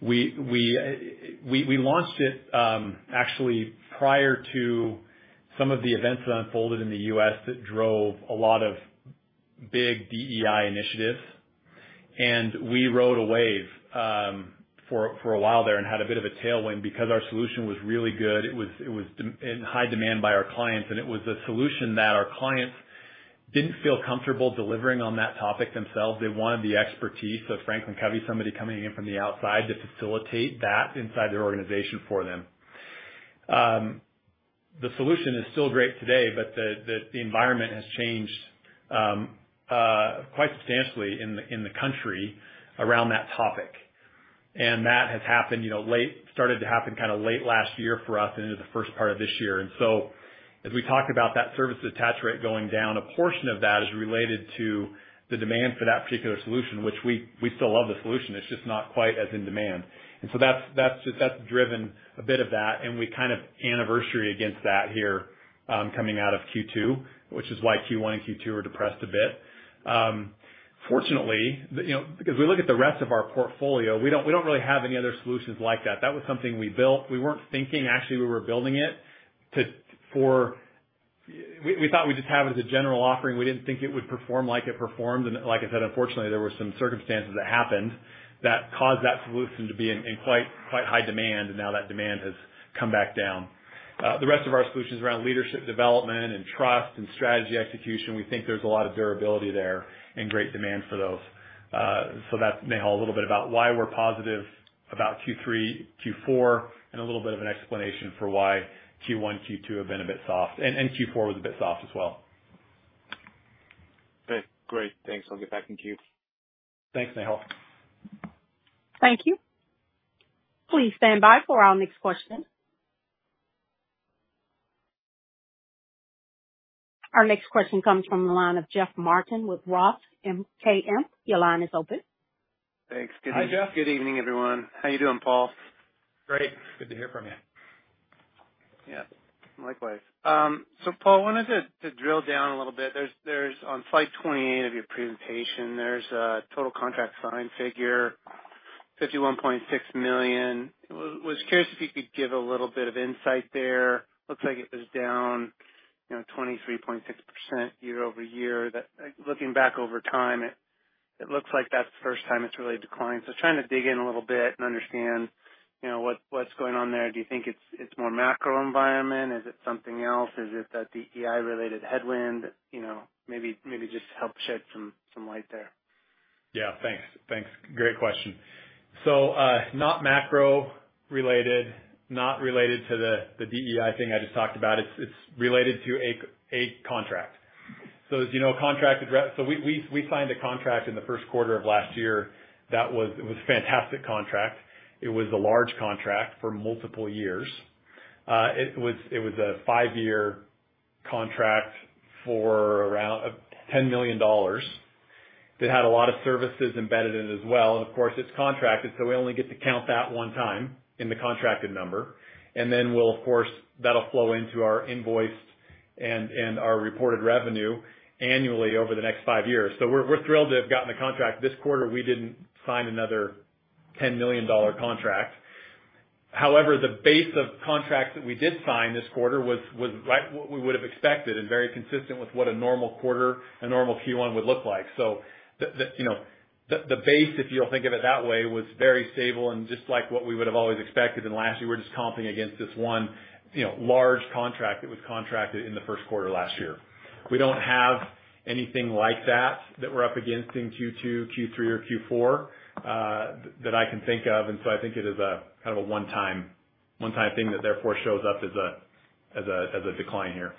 We launched it actually prior to some of the events that unfolded in the US that drove a lot of big DEI initiatives. We rode a wave for a while there and had a bit of a tailwind because our solution was really good. It was in high demand by our clients, and it was a solution that our clients didn't feel comfortable delivering on that topic themselves. They wanted the expertise of FranklinCovey, somebody coming in from the outside to facilitate that inside their organization for them. The solution is still great today, but the environment has changed quite substantially in the country around that topic. That has happened, you know, started to happen kind of late last year for us and into the first part of this year. So as we talked about that service detach rate going down, a portion of that is related to the demand for that particular solution, which we still love the solution. It's just not quite as in demand. So that's just driven a bit of that, and we kind of anniversary against that here coming out of Q2, which is why Q1 and Q2 are depressed a bit. Fortunately, you know, because we look at the rest of our portfolio, we don't really have any other solutions like that. That was something we built. We weren't thinking, actually, we were building it to, for we thought we'd just have it as a general offering. We didn't think it would perform like it performed. Like I said, unfortunately, there were some circumstances that happened that caused that solution to be in quite high demand, and now that demand has come back down. The rest of our solutions around leadership development and trust and strategy execution, we think there's a lot of durability there and great demand for those. So that, Nehal, a little bit about why we're positive about Q3, Q4, and a little bit of an explanation for why Q1, Q2 have been a bit soft, and Q4 was a bit soft as well. Okay, great. Thanks. I'll get back in queue. Thanks, Nehal. Thank you. Please stand by for our next question. Our next question comes from the line of Jeff Martin with Roth MKM. Your line is open. Thanks. Hi, Jeff. Good evening, everyone. How are you doing, Paul? Great. Good to hear from you. Yeah, likewise. So Paul, I wanted to drill down a little bit. There's on slide 28 of your presentation, there's a total contract signed figure, $51.6 million. I was curious if you could give a little bit of insight there. Looks like it was down, you know, 23.6% year-over-year. That, looking back over time, it looks like that's the first time it's really declined. So trying to dig in a little bit and understand, you know, what's going on there. Do you think it's more macro environment? Is it something else? Is it that DEI-related headwind? You know, maybe just help shed some light there. Yeah, thanks. Thanks. Great question. So, not macro related, not related to the, the DEI thing I just talked about. It's related to a contract. So as you know, so we signed a contract in the first quarter of last year that was, it was a fantastic contract. It was a large contract for multiple years. It was a five-year contract for around $10 million that had a lot of services embedded in it as well. And of course, it's contracted, so we only get to count that one time in the contracted number. And then we'll, of course, that'll flow into our invoiced and our reported revenue annually over the next five years. So we're thrilled to have gotten the contract. This quarter, we didn't sign another $10 million contract. However, the base of contracts that we did sign this quarter was right what we would have expected and very consistent with what a normal quarter, a normal Q1 would look like. So the base, if you'll think of it that way, was very stable and just like what we would have always expected. And lastly, we're just comping against this one, you know, large contract that was contracted in the first quarter of last year. We don't have anything like that that we're up against in Q2, Q3, or Q4, that I can think of, and so I think it is a kind of a one-time thing that therefore shows up as a decline here.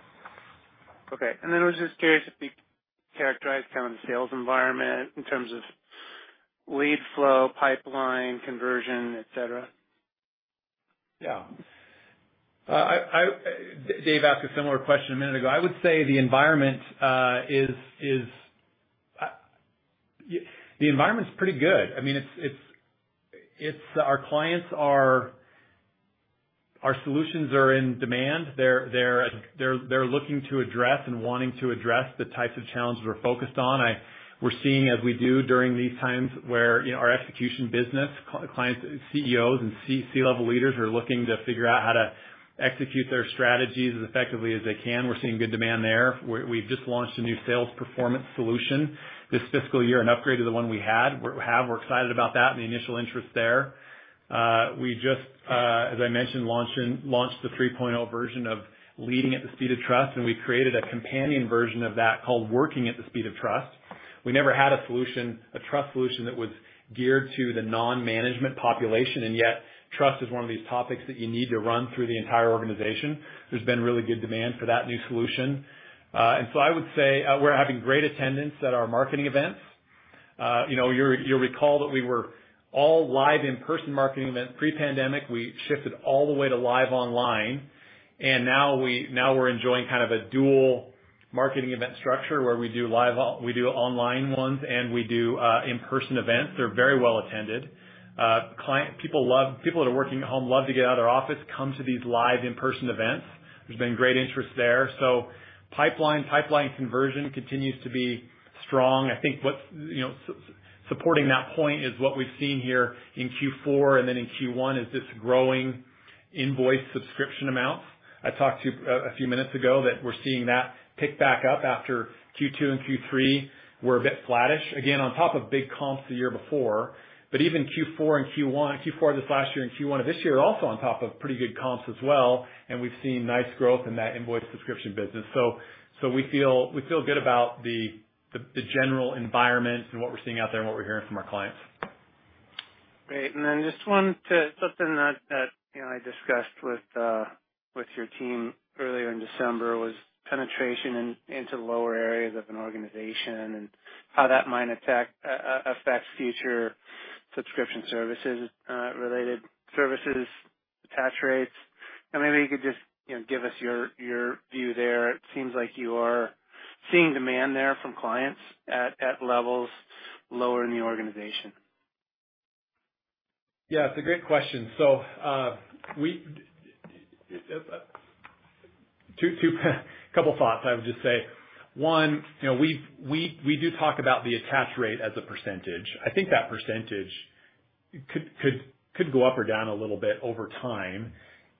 Okay. And then I was just curious if you could characterize kind of the sales environment in terms of lead flow, pipeline, conversion, et cetera? Yeah. Dave asked a similar question a minute ago. I would say the environment is pretty good. I mean, our solutions are in demand. They're looking to address and wanting to address the types of challenges we're focused on. We're seeing, as we do during these times where, you know, our execution business, clients, CEOs, and C-level leaders are looking to figure out how to execute their strategies as effectively as they can, good demand there. We've just launched a new sales performance solution this fiscal year, an upgrade to the one we have. We're excited about that and the initial interest there. We just, as I mentioned, launched the 3.0 version of Leading at the Speed of Trust, and we created a companion version of that called Working at the Speed of Trust. We never had a solution, a trust solution, that was geared to the non-management population, and yet trust is one of these topics that you need to run through the entire organization. There's been really good demand for that new solution. And so I would say, we're having great attendance at our marketing events. You know, you'll recall that we were all live in-person marketing events pre-pandemic. We shifted all the way to live online, and now we're enjoying kind of a dual marketing event structure, where we do live, we do online ones, and we do in-person events. They're very well attended. People that are working at home love to get out of their office, come to these live in-person events. There's been great interest there. So pipeline conversion continues to be strong. I think what's supporting that point is what we've seen here in Q4 and then in Q1, is this growing invoice subscription amounts. I talked to a few minutes ago, that we're seeing that pick back up after Q2 and Q3 were a bit flattish. Again, on top of big comps the year before, but even Q4 and Q1, Q4 this last year and Q1 of this year, are also on top of pretty good comps as well, and we've seen nice growth in that invoice subscription business. So we feel good about the general environment and what we're seeing out there and what we're hearing from our clients. Great. And then just one something that, you know, I discussed with your team earlier in December was penetration into lower areas of an organization and how that might affect future subscription services, related services, attach rates. And maybe you could just, you know, give us your view there. It seems like you are seeing demand there from clients at levels lower in the organization. Yeah, it's a great question. So, we have a couple thoughts, I would just say. One, you know, we do talk about the attach rate as a percentage. I think that percentage could go up or down a little bit over time.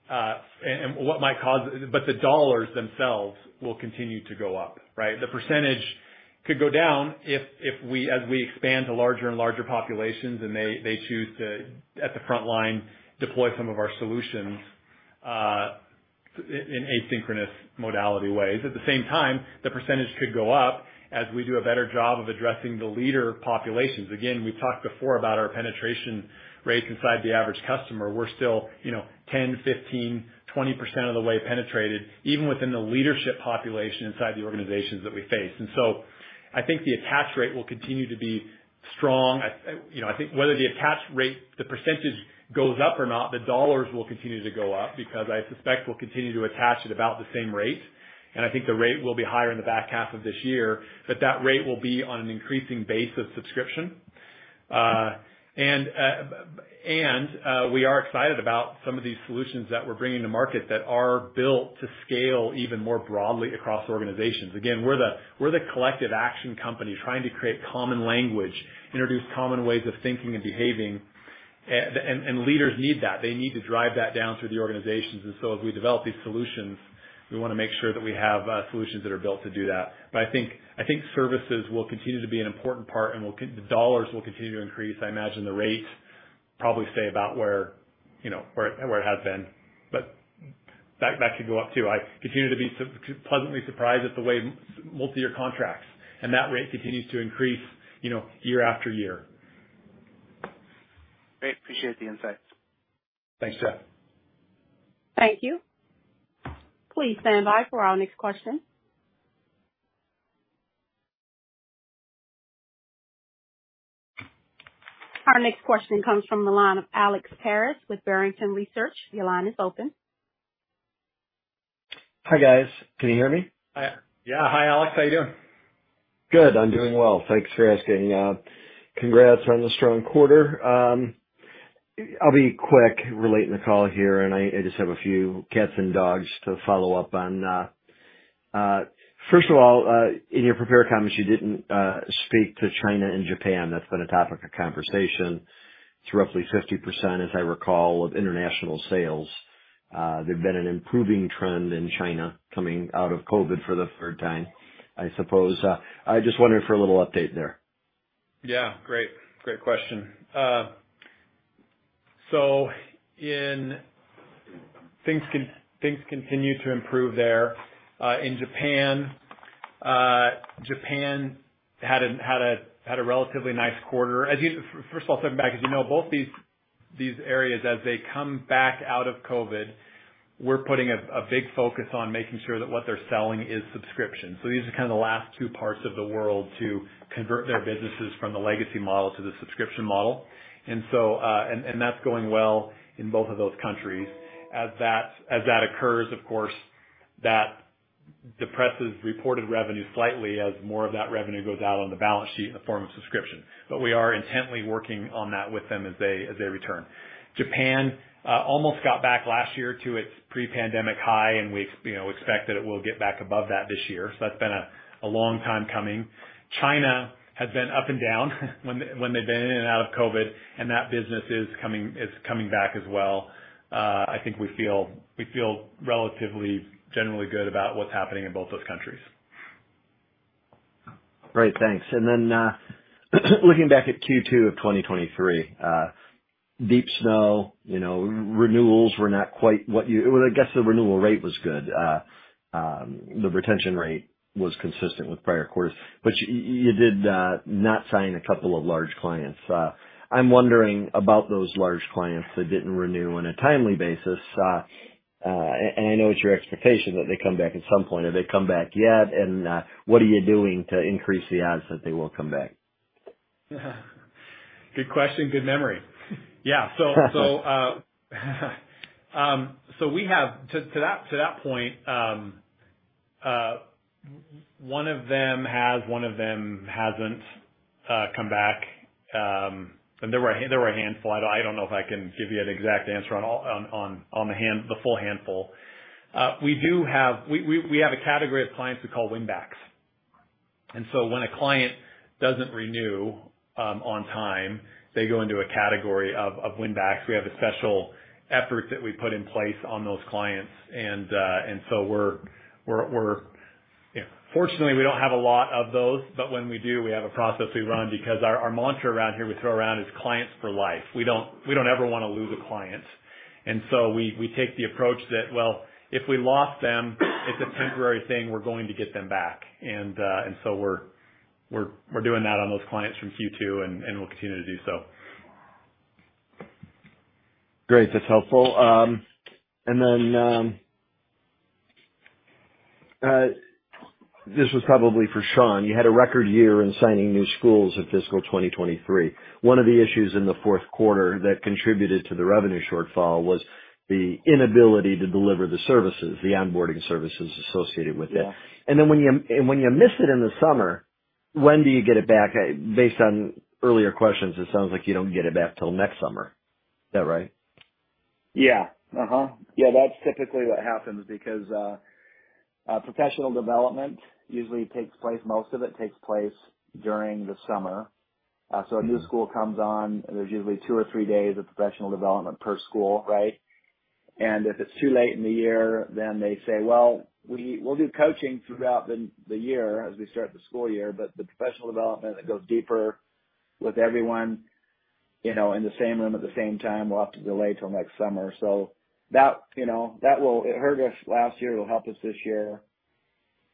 And what might cause, but the dollars themselves will continue to go up, right? The percentage could go down if, as we expand to larger and larger populations, and they choose to, at the front line, deploy some of our solutions in asynchronous modality ways. At the same time, the percentage could go up as we do a better job of addressing the leader populations. Again, we talked before about our penetration rates inside the average customer. We're still, you know, 10%, 15%, 20% of the way penetrated, even within the leadership population inside the organizations that we face. So I think the attach rate will continue to be strong. I you know, I think whether the attach rate, the percentage, goes up or not, the dollars will continue to go up because I suspect we'll continue to attach at about the same rate. I think the rate will be higher in the back half of this year, but that rate will be on an increasing base of subscription. We are excited about some of these solutions that we're bringing to market that are built to scale even more broadly across organizations. Again, we're the, we're the collective action company trying to create common language, introduce common ways of thinking and behaving, leaders need that. They need to drive that down through the organizations. And so as we develop these solutions, we wanna make sure that we have solutions that are built to do that. But I think, I think services will continue to be an important part, and the dollars will continue to increase. I imagine the rate probably stay about where, you know, where, where it has been, but that, that should go up, too. I continue to be pleasantly surprised at the way multiyear contracts and that rate continues to increase, you know, year after year. Great. Appreciate the insight. Thanks, Jeff. Thank you. Please stand by for our next question. Our next question comes from the line of Alex Paris with Barrington Research. Your line is open. Hi, guys. Can you hear me? Hi. Yeah. Hi, Alex. How you doing? Good. I'm doing well. Thanks for asking. Congrats on the strong quarter. I'll be quick relating the call here, and I just have a few cats and dogs to follow up on. First of all, in your prepared comments, you didn't speak to China and Japan. That's been a topic of conversation. It's roughly 50%, as I recall, of international sales. There's been an improving trend in China coming out of COVID for the third time, I suppose. I just wondered for a little update there. Yeah, great. Great question. So things continue to improve there. In Japan, Japan had a relatively nice quarter. As you know, first of all, stepping back, as you know, both these areas, as they come back out of COVID, we're putting a big focus on making sure that what they're selling is subscription. So these are kind of the last two parts of the world to convert their businesses from the legacy model to the subscription model. And so, and that's going well in both of those countries. As that occurs, of course, that depresses reported revenue slightly as more of that revenue goes out on the balance sheet in the form of subscription. But we are intently working on that with them as they return. Japan almost got back last year to its pre-pandemic high, and we, you know, expect that it will get back above that this year. So that's been a long time coming. China has been up and down, when they've been in and out of COVID, and that business is coming back as well. I think we feel relatively generally good about what's happening in both those countries. Great, thanks. And then, looking back at Q2 of 2023, deep snow, you know, renewals were not quite what you-- Well, I guess the renewal rate was good. The retention rate was consistent with prior quarters, but you did not sign a couple of large clients. I'm wondering about those large clients that didn't renew on a timely basis. And I know it's your expectation that they come back at some point. Have they come back yet? And, what are you doing to increase the odds that they will come back? Good question. Good memory. Yeah, so we have, to that point, one of them has, one of them hasn't come back. And there were a handful. I don't know if I can give you an exact answer on the full handful. We do have a category of clients we call win-backs. And so when a client doesn't renew on time, they go into a category of win-backs. We have a special effort that we put in place on those clients. And so we're-- You know, fortunately, we don't have a lot of those, but when we do, we have a process we run because our mantra around here we throw around is clients for life. We don't ever wanna lose a client. And so we take the approach that, well, if we lost them, it's a temporary thing, we're going to get them back. And so we're doing that on those clients from Q2, and we'll continue to do so. Great. That's helpful. And then, this was probably for Sean. You had a record year in signing new schools in fiscal 2023. One of the issues in the fourth quarter that contributed to the revenue shortfall was the inability to deliver the services, the onboarding services associated with it. Then when you miss it in the summer, when do you get it back? Based on earlier questions, it sounds like you don't get it back till next summer. Is that right? Yeah, that's typically what happens because professional development usually takes place, most of it takes place during the summer. So a new school comes on, there's usually two or three days of professional development per school, right? And if it's too late in the year, then they say, "Well, we'll do coaching throughout the year as we start the school year, but the professional development that goes deeper with everyone, you know, in the same room at the same time, we'll have to delay till next summer." So that, you know, that will, it hurt us last year, it'll help us this year.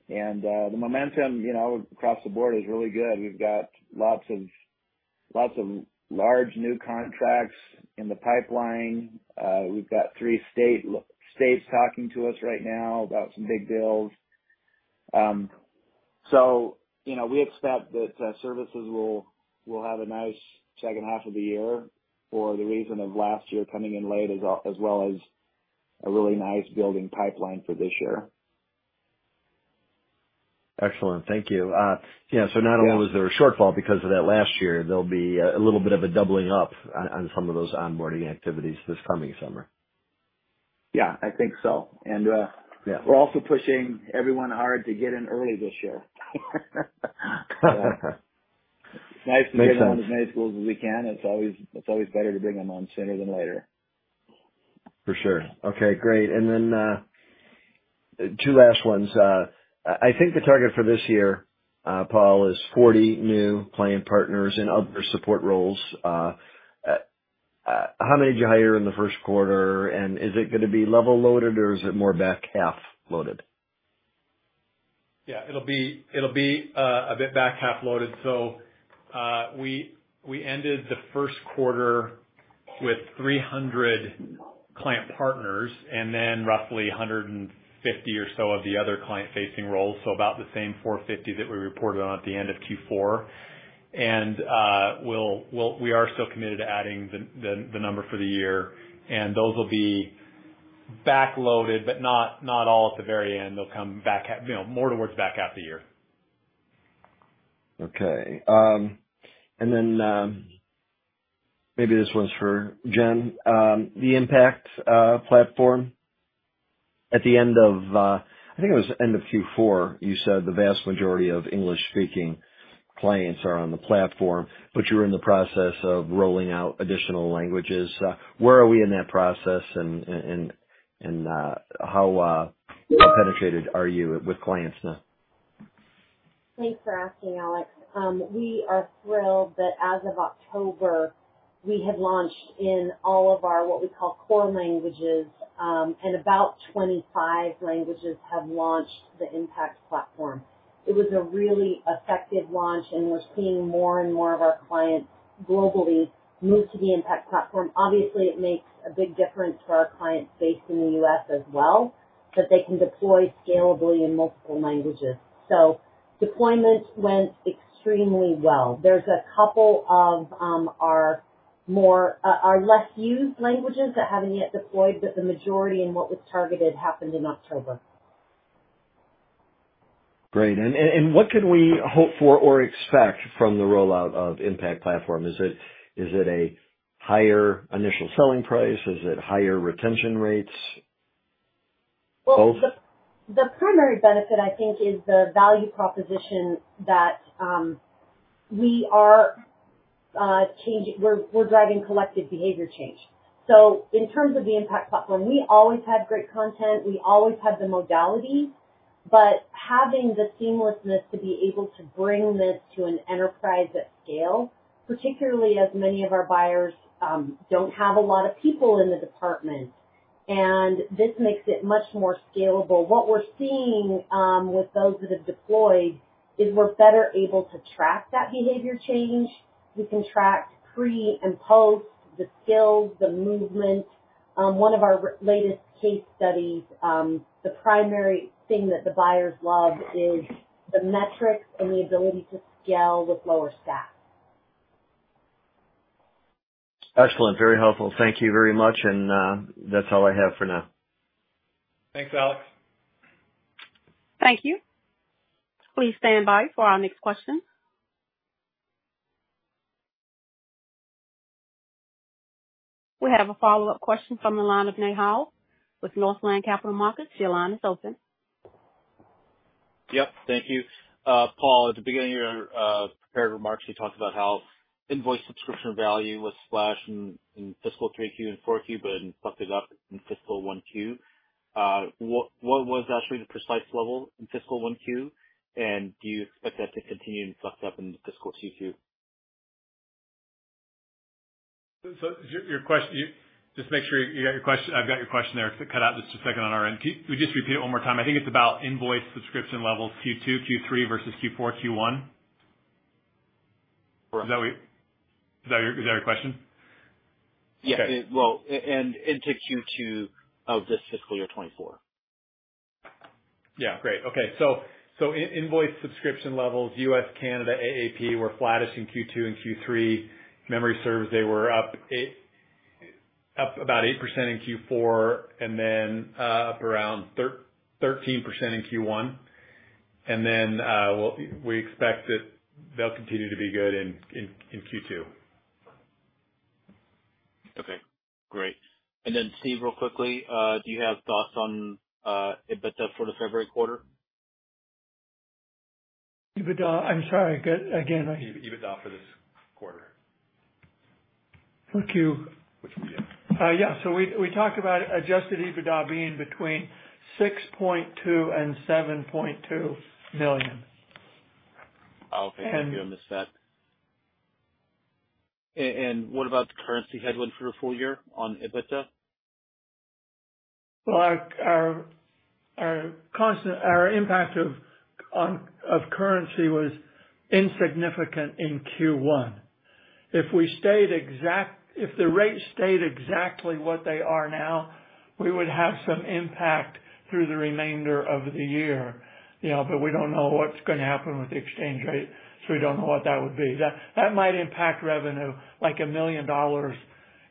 And the momentum, you know, across the board is really good. We've got lots of, lots of large new contracts in the pipeline. We've got three states talking to us right now about some big deals. So, you know, we expect that services will have a nice second half of the year for the reason of last year coming in late, as well as a really nice building pipeline for this year. Excellent. Thank you. Yeah, so not only. Was there a shortfall because of that last year? There'll be a little bit of a doubling up on some of those onboarding activities this coming summer. Yeah, I think so. And we're also pushing everyone hard to get in early this year. It's nice to get on as many schools as we can. It's always, it's always better to bring them on sooner than later. For sure. Okay, great. And then, two last ones. I think the target for this year, Paul, is 40 new client partners in other support roles. How many did you hire in the first quarter? And is it gonna be level loaded or is it more back half loaded? Yeah, it'll be a bit back half loaded. So, we, we ended the first quarter with 300 client partners and then roughly 150 or so of the other client-facing roles. So about the same 450 that we reported on at the end of Q4. And, we'll, we are still committed to adding the, the, the number for the year, and those will be backloaded, but not, not all at the very end. They'll come back, you know, more towards back half of the year. Okay. And then, maybe this one's for Jen. The Impact Platform at the end of, I think it was end of Q4, you said the vast majority of English-speaking clients are on the platform, but you were in the process of rolling out additional languages. Where are we in that process and how penetrated are you with clients now? Thanks for asking, Alex. We are thrilled that as of October, we have launched in all of our, what we call, core languages, and about 25 languages have launched the Impact Platform. It was a really effective launch, and we're seeing more and more of our clients globally move to the Impact Platform. Obviously, it makes a big difference to our clients based in the U.S. as well, that they can deploy scalably in multiple languages. So deployments went extremely well. There's a couple of, our more, our less used languages that haven't yet deployed, but the majority in what was targeted happened in October. Great. And what can we hope for or expect from the rollout of Impact Platform? Is it a higher initial selling price? Is it higher retention rates? Both? Well, the primary benefit, I think, is the value proposition that we are changing. We're driving collective behavior change. So in terms of the Impact Platform, we always had great content, we always had the modality, but having the seamlessness to be able to bring this to an enterprise at scale, particularly as many of our buyers don't have a lot of people in the department, and this makes it much more scalable. What we're seeing with those that have deployed is we're better able to track that behavior change. We can track pre and post, the skills, the movement. One of our latest case studies, the primary thing that the buyers love is the metrics and the ability to scale with lower staff. Excellent. Very helpful. Thank you very much. That's all I have for now. Thanks, Alex. Thank you. Please stand by for our next question. We have a follow-up question from the line of Nehal with Northland Capital Markets. Your line is open. Yep. Thank you. Paul, at the beginning of your prepared remarks, you talked about how invoiced subscription value was flattish in fiscal 3Q and 4Q, but it picked it up in fiscal 1Q. What was actually the precise level in fiscal 1Q? And do you expect that to continue and pick up in fiscal Q2? So, your question--you. Just make sure you got your question. I've got your question there. It cut out just a second on our end. Can you just repeat it one more time? I think it's about invoice subscription levels, Q2, Q3 versus Q4, Q1. Correct. Is that what you--Is that your, is that your question? Yeah. Well, and into Q2 of this fiscal year 2024. Yeah. Great. Okay. So invoice subscription levels, U.S., Canada, APAC, were flattest in Q2 and Q3. Memory serves, they were up about 8% in Q4, and then up around 13% in Q1. And then we expect that they'll continue to be good in Q2. Okay, great. And then, Steve, real quickly, do you have thoughts on EBITDA for the February quarter? EBITDA? I'm sorry, again, again, I-- EBITDA for this quarter. 4Q? Yeah. So we talked about adjusted EBITDA being between $6.2 million and $7.2 million. Oh, okay. Thank you. I missed that. And what about the currency headwind for the full year on EBITDA? Well, our impact on currency was insignificant in Q1. If the rates stayed exactly what they are now, we would have some impact through the remainder of the year, you know, but we don't know what's going to happen with the exchange rate, so we don't know what that would be. That might impact revenue, like $1 million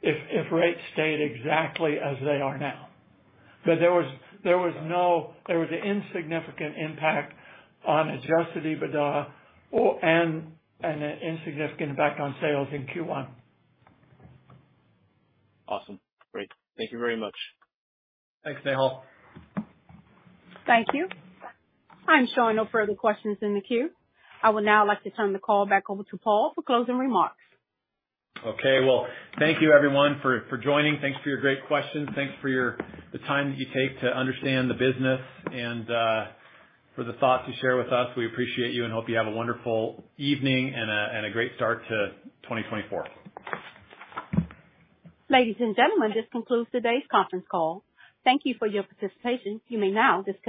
if rates stayed exactly as they are now. But there was an insignificant impact on adjusted EBITDA and an insignificant impact on sales in Q1. Awesome. Great. Thank you very much. Thanks, Nehal. Thank you. I'm showing no further questions in the queue. I would now like to turn the call back over to Paul for closing remarks. Okay. Well, thank you everyone for joining. Thanks for your great questions. Thanks for your, the time that you take to understand the business and, for the thoughts you share with us. We appreciate you and hope you have a wonderful evening and a great start to 2024. Ladies and gentlemen, this concludes today's conference call. Thank you for your participation. You may now disconnect.